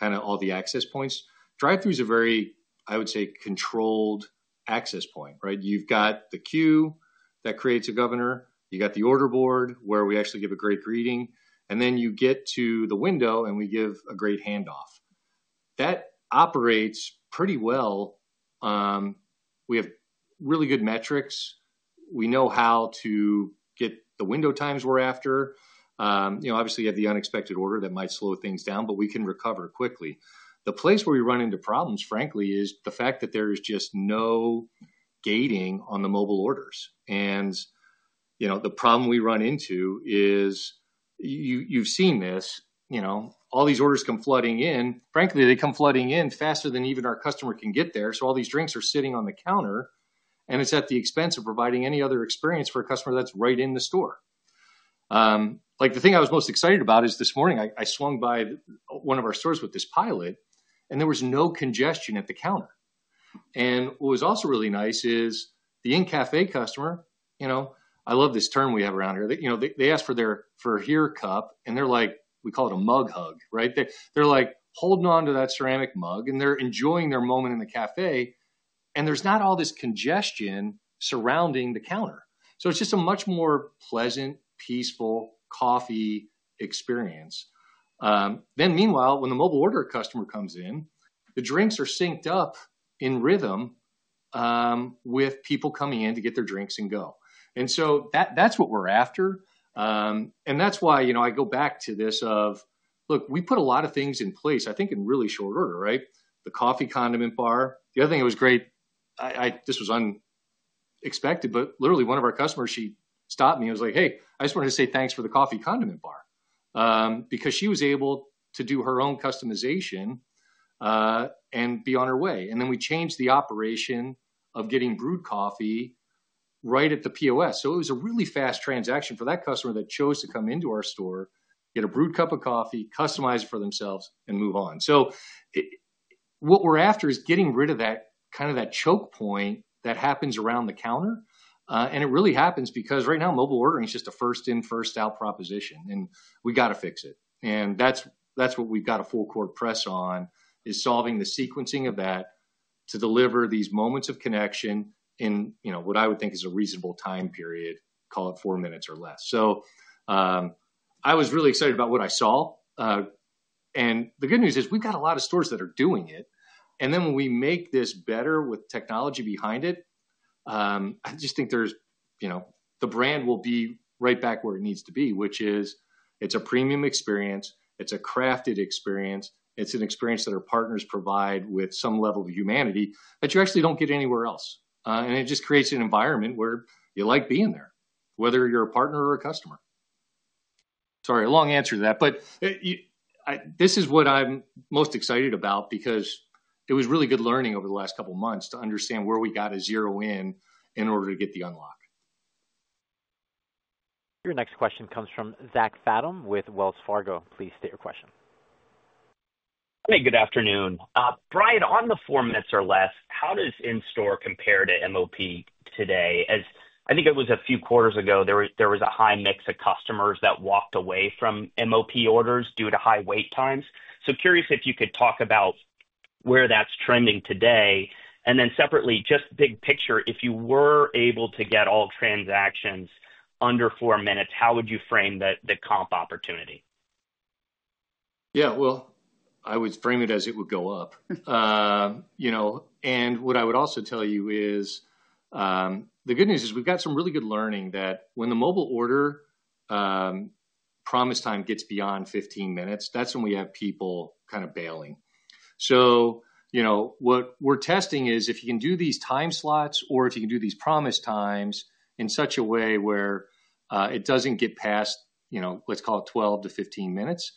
kind of all the access points, drive-through is a very, I would say, controlled access point, right? You've got the queue that creates a governor. You got the order board where we actually give a great greeting. And then you get to the window and we give a great handoff. That operates pretty well. We have really good metrics. We know how to get the window times we're after. Obviously, you have the unexpected order that might slow things down, but we can recover quickly. The place where we run into problems, frankly, is the fact that there is just no gating on the mobile orders. And the problem we run into is you've seen this. All these orders come flooding in. Frankly, they come flooding in faster than even our customer can get there. So all these drinks are sitting on the counter, and it's at the expense of providing any other experience for a customer that's right in the store. The thing I was most excited about is this morning, I swung by one of our stores with this pilot, and there was no congestion at the counter. And what was also really nice is the in-cafe customer, I love this term we have around here. They ask for their here cup, and they're like, we call it a mug hug, right? They're holding on to that ceramic mug, and they're enjoying their moment in the cafe. And there's not all this congestion surrounding the counter. So it's just a much more pleasant, peaceful coffee experience. Then, meanwhile, when the mobile order customer comes in, the drinks are synced up in rhythm with people coming in to get their drinks and go. And so that's what we're after. And that's why I go back to this of, look, we put a lot of things in place, I think, in really short order, right? The coffee condiment bar. The other thing that was great, this was unexpected, but literally one of our customers, she stopped me and was like, "Hey, I just wanted to say thanks for the coffee condiment bar," because she was able to do her own customization and be on her way. And then we changed the operation of getting brewed coffee right at the POS. So it was a really fast transaction for that customer that chose to come into our store, get a brewed cup of coffee, customize it for themselves, and move on. So what we're after is getting rid of that kind of choke point that happens around the counter. It really happens because right now, mobile ordering is just a first in, first out proposition, and we got to fix it. That's what we've got a full court press on, is solving the sequencing of that to deliver these moments of connection in what I would think is a reasonable time period, call it four minutes or less. I was really excited about what I saw. The good news is we've got a lot of stores that are doing it. Then when we make this better with technology behind it, I just think the brand will be right back where it needs to be, which is it's a premium experience. It's a crafted experience. It's an experience that our partners provide with some level of humanity that you actually don't get anywhere else. It just creates an environment where you like being there, whether you're a partner or a customer. Sorry, a long answer to that, but this is what I'm most excited about because it was really good learning over the last couple of months to understand where we got to zero in order to get the unlock. Your next question comes from Zachary Fadem with Wells Fargo. Please state your question. Hey, good afternoon. Brian, on the four minutes or less, how does in-store compare to MOP today? I think it was a few quarters ago, there was a high mix of customers that walked away from MOP orders due to high wait times. So curious if you could talk about where that's trending today. And then separately, just big picture, if you were able to get all transactions under four minutes, how would you frame the comp opportunity? Yeah. Well, I would frame it as it would go up. And what I would also tell you is the good news is we've got some really good learning that when the mobile order promise time gets beyond 15 minutes, that's when we have people kind of bailing. So what we're testing is if you can do these time slots or if you can do these promise times in such a way where it doesn't get past, let's call it 12-15 minutes,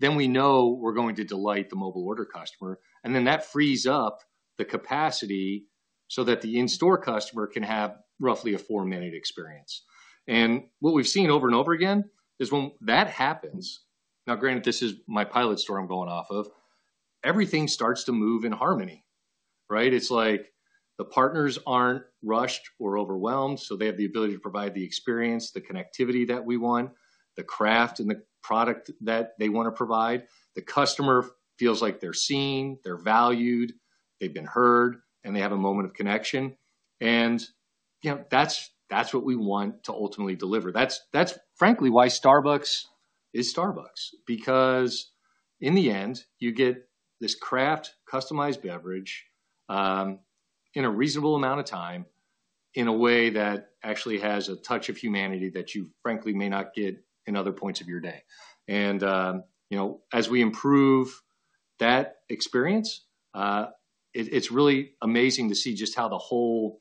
then we know we're going to delight the mobile order customer. And then that frees up the capacity so that the in-store customer can have roughly a four-minute experience. And what we've seen over and over again is when that happens, now granted, this is my pilot store I'm going off of, everything starts to move in harmony, right? It's like the partners aren't rushed or overwhelmed, so they have the ability to provide the experience, the connectivity that we want, the craft and the product that they want to provide. The customer feels like they're seen, they're valued, they've been heard, and they have a moment of connection. And that's what we want to ultimately deliver. That's, frankly, why Starbucks is Starbucks, because in the end, you get this craft, customized beverage in a reasonable amount of time in a way that actually has a touch of humanity that you, frankly, may not get in other points of your day. And as we improve that experience, it's really amazing to see just how the whole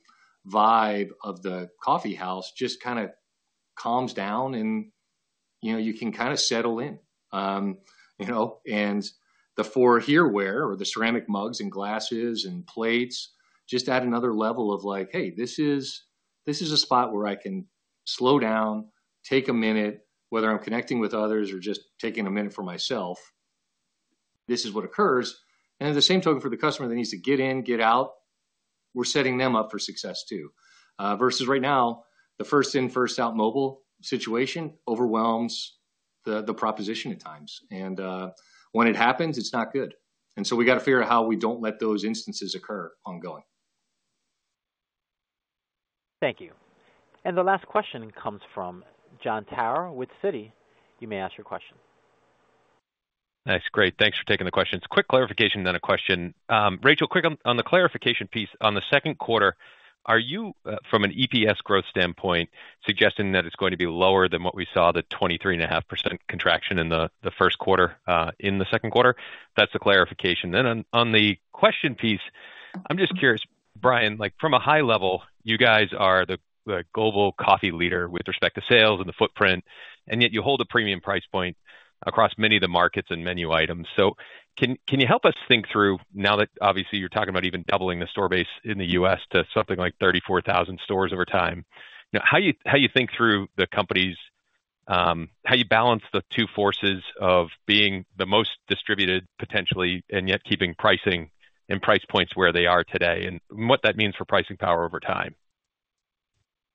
vibe of the coffee house just kind of calms down and you can kind of settle in. And the for here, where the ceramic mugs and glasses and plates just add another level of like, "Hey, this is a spot where I can slow down, take a minute, whether I'm connecting with others or just taking a minute for myself, this is what occurs." And at the same token for the customer that needs to get in, get out, we're setting them up for success too. Versus right now, the first-in, first-out mobile situation overwhelms the proposition at times. And when it happens, it's not good. And so we got to figure out how we don't let those instances occur ongoing. Thank you. And the last question comes from Jon Tower with Citi. You may ask your question. Nice. Great. Thanks for taking the questions. Quick clarification, then a question. Rachel, quick on the clarification piece. On the second quarter, are you, from an EPS growth standpoint, suggesting that it's going to be lower than what we saw, the 23.5% contraction in the first quarter in the second quarter? That's the clarification. Then on the question piece, I'm just curious, Brian, from a high level, you guys are the global coffee leader with respect to sales and the footprint, and yet you hold a premium price point across many of the markets and menu items. So can you help us think through, now that obviously you're talking about even doubling the store base in the U.S. to something like 34,000 stores over time, how you think through the companies, how you balance the two forces of being the most distributed potentially and yet keeping pricing and price points where they are today and what that means for pricing power over time?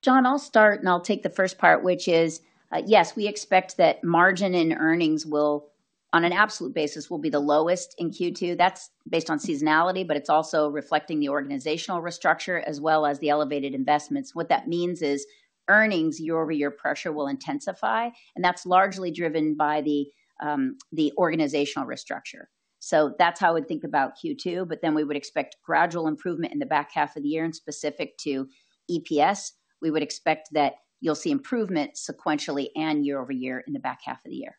John, I'll start and I'll take the first part, which is, yes, we expect that margin and earnings will, on an absolute basis, will be the lowest in Q2. That's based on seasonality, but it's also reflecting the organizational restructure as well as the elevated investments. What that means is earnings, year over year, pressure will intensify, and that's largely driven by the organizational restructure. So that's how I would think about Q2, but then we would expect gradual improvement in the back half of the year. And specific to EPS, we would expect that you'll see improvement sequentially and year over year in the back half of the year.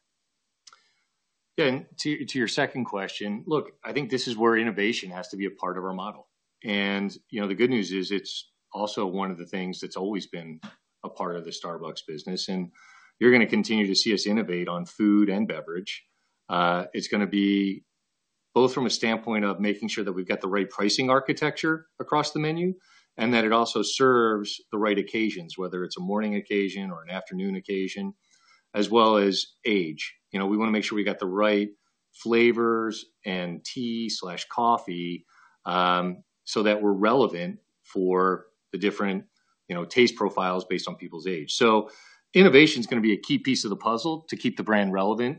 Yeah. And to your second question, look, I think this is where innovation has to be a part of our model. The good news is it's also one of the things that's always been a part of the Starbucks business. You're going to continue to see us innovate on food and beverage. It's going to be both from a standpoint of making sure that we've got the right pricing architecture across the menu and that it also serves the right occasions, whether it's a morning occasion or an afternoon occasion, as well as age. We want to make sure we got the right flavors and tea/coffee so that we're relevant for the different taste profiles based on people's age. Innovation is going to be a key piece of the puzzle to keep the brand relevant,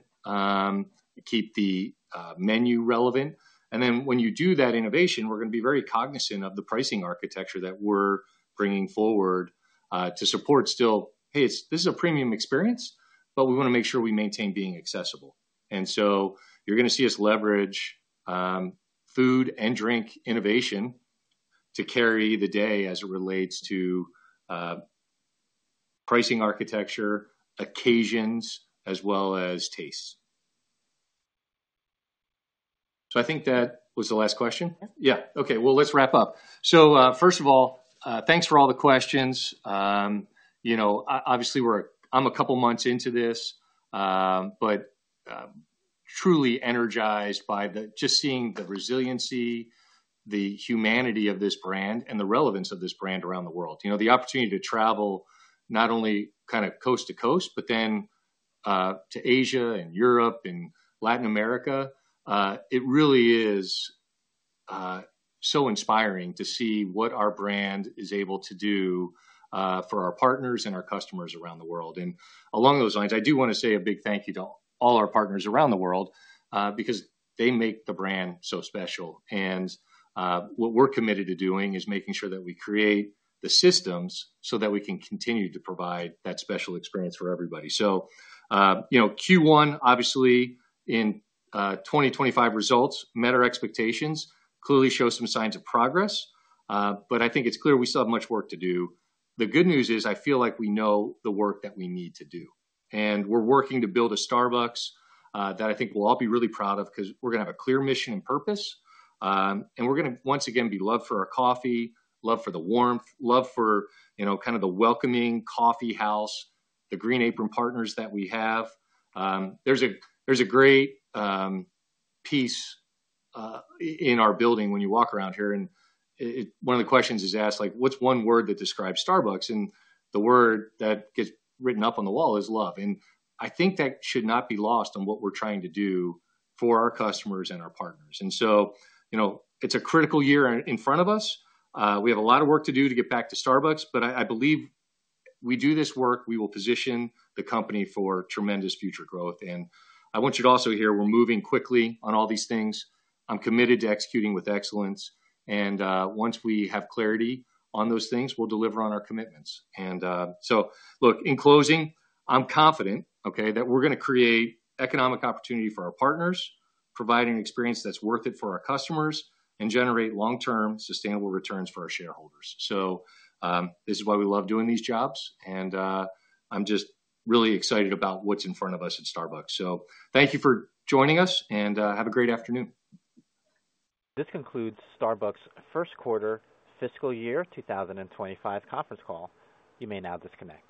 keep the menu relevant. And then when you do that innovation, we're going to be very cognizant of the pricing architecture that we're bringing forward to support still, "Hey, this is a premium experience, but we want to make sure we maintain being accessible." And so you're going to see us leverage food and drink innovation to carry the day as it relates to pricing architecture, occasions, as well as tastes. So I think that was the last question. Yeah. Okay. Well, let's wrap up. So first of all, thanks for all the questions. Obviously, I'm a couple of months into this, but truly energized by just seeing the resiliency, the humanity of this brand, and the relevance of this brand around the world. The opportunity to travel not only kind of coast to coast, but then to Asia and Europe and Latin America, it really is so inspiring to see what our brand is able to do for our partners and our customers around the world, and along those lines, I do want to say a big thank you to all our partners around the world because they make the brand so special, and what we're committed to doing is making sure that we create the systems so that we can continue to provide that special experience for everybody, so Q1, obviously, in 2025 results, met our expectations, clearly showed some signs of progress, but I think it's clear we still have much work to do. The good news is I feel like we know the work that we need to do. And we're working to build a Starbucks that I think we'll all be really proud of because we're going to have a clear mission and purpose. And we're going to, once again, be loved for our coffee, love for the warmth, love for kind of the welcoming coffee house, the Green Apron partners that we have. There's a great piece in our building when you walk around here. And one of the questions is asked, "What's one word that describes Starbucks?" And the word that gets written up on the wall is love. And I think that should not be lost on what we're trying to do for our customers and our partners. And so it's a critical year in front of us. We have a lot of work to do to get back to Starbucks, but I believe we do this work, we will position the company for tremendous future growth. And I want you to also hear we're moving quickly on all these things. I'm committed to executing with excellence. And once we have clarity on those things, we'll deliver on our commitments. And so, look, in closing, I'm confident that we're going to create economic opportunity for our partners, provide an experience that's worth it for our customers, and generate long-term sustainable returns for our shareholders. So this is why we love doing these jobs. And I'm just really excited about what's in front of us at Starbucks. So thank you for joining us, and have a great afternoon. This concludes Starbucks' First Quarter Fiscal Year 2025 Conference Call. You may now disconnect.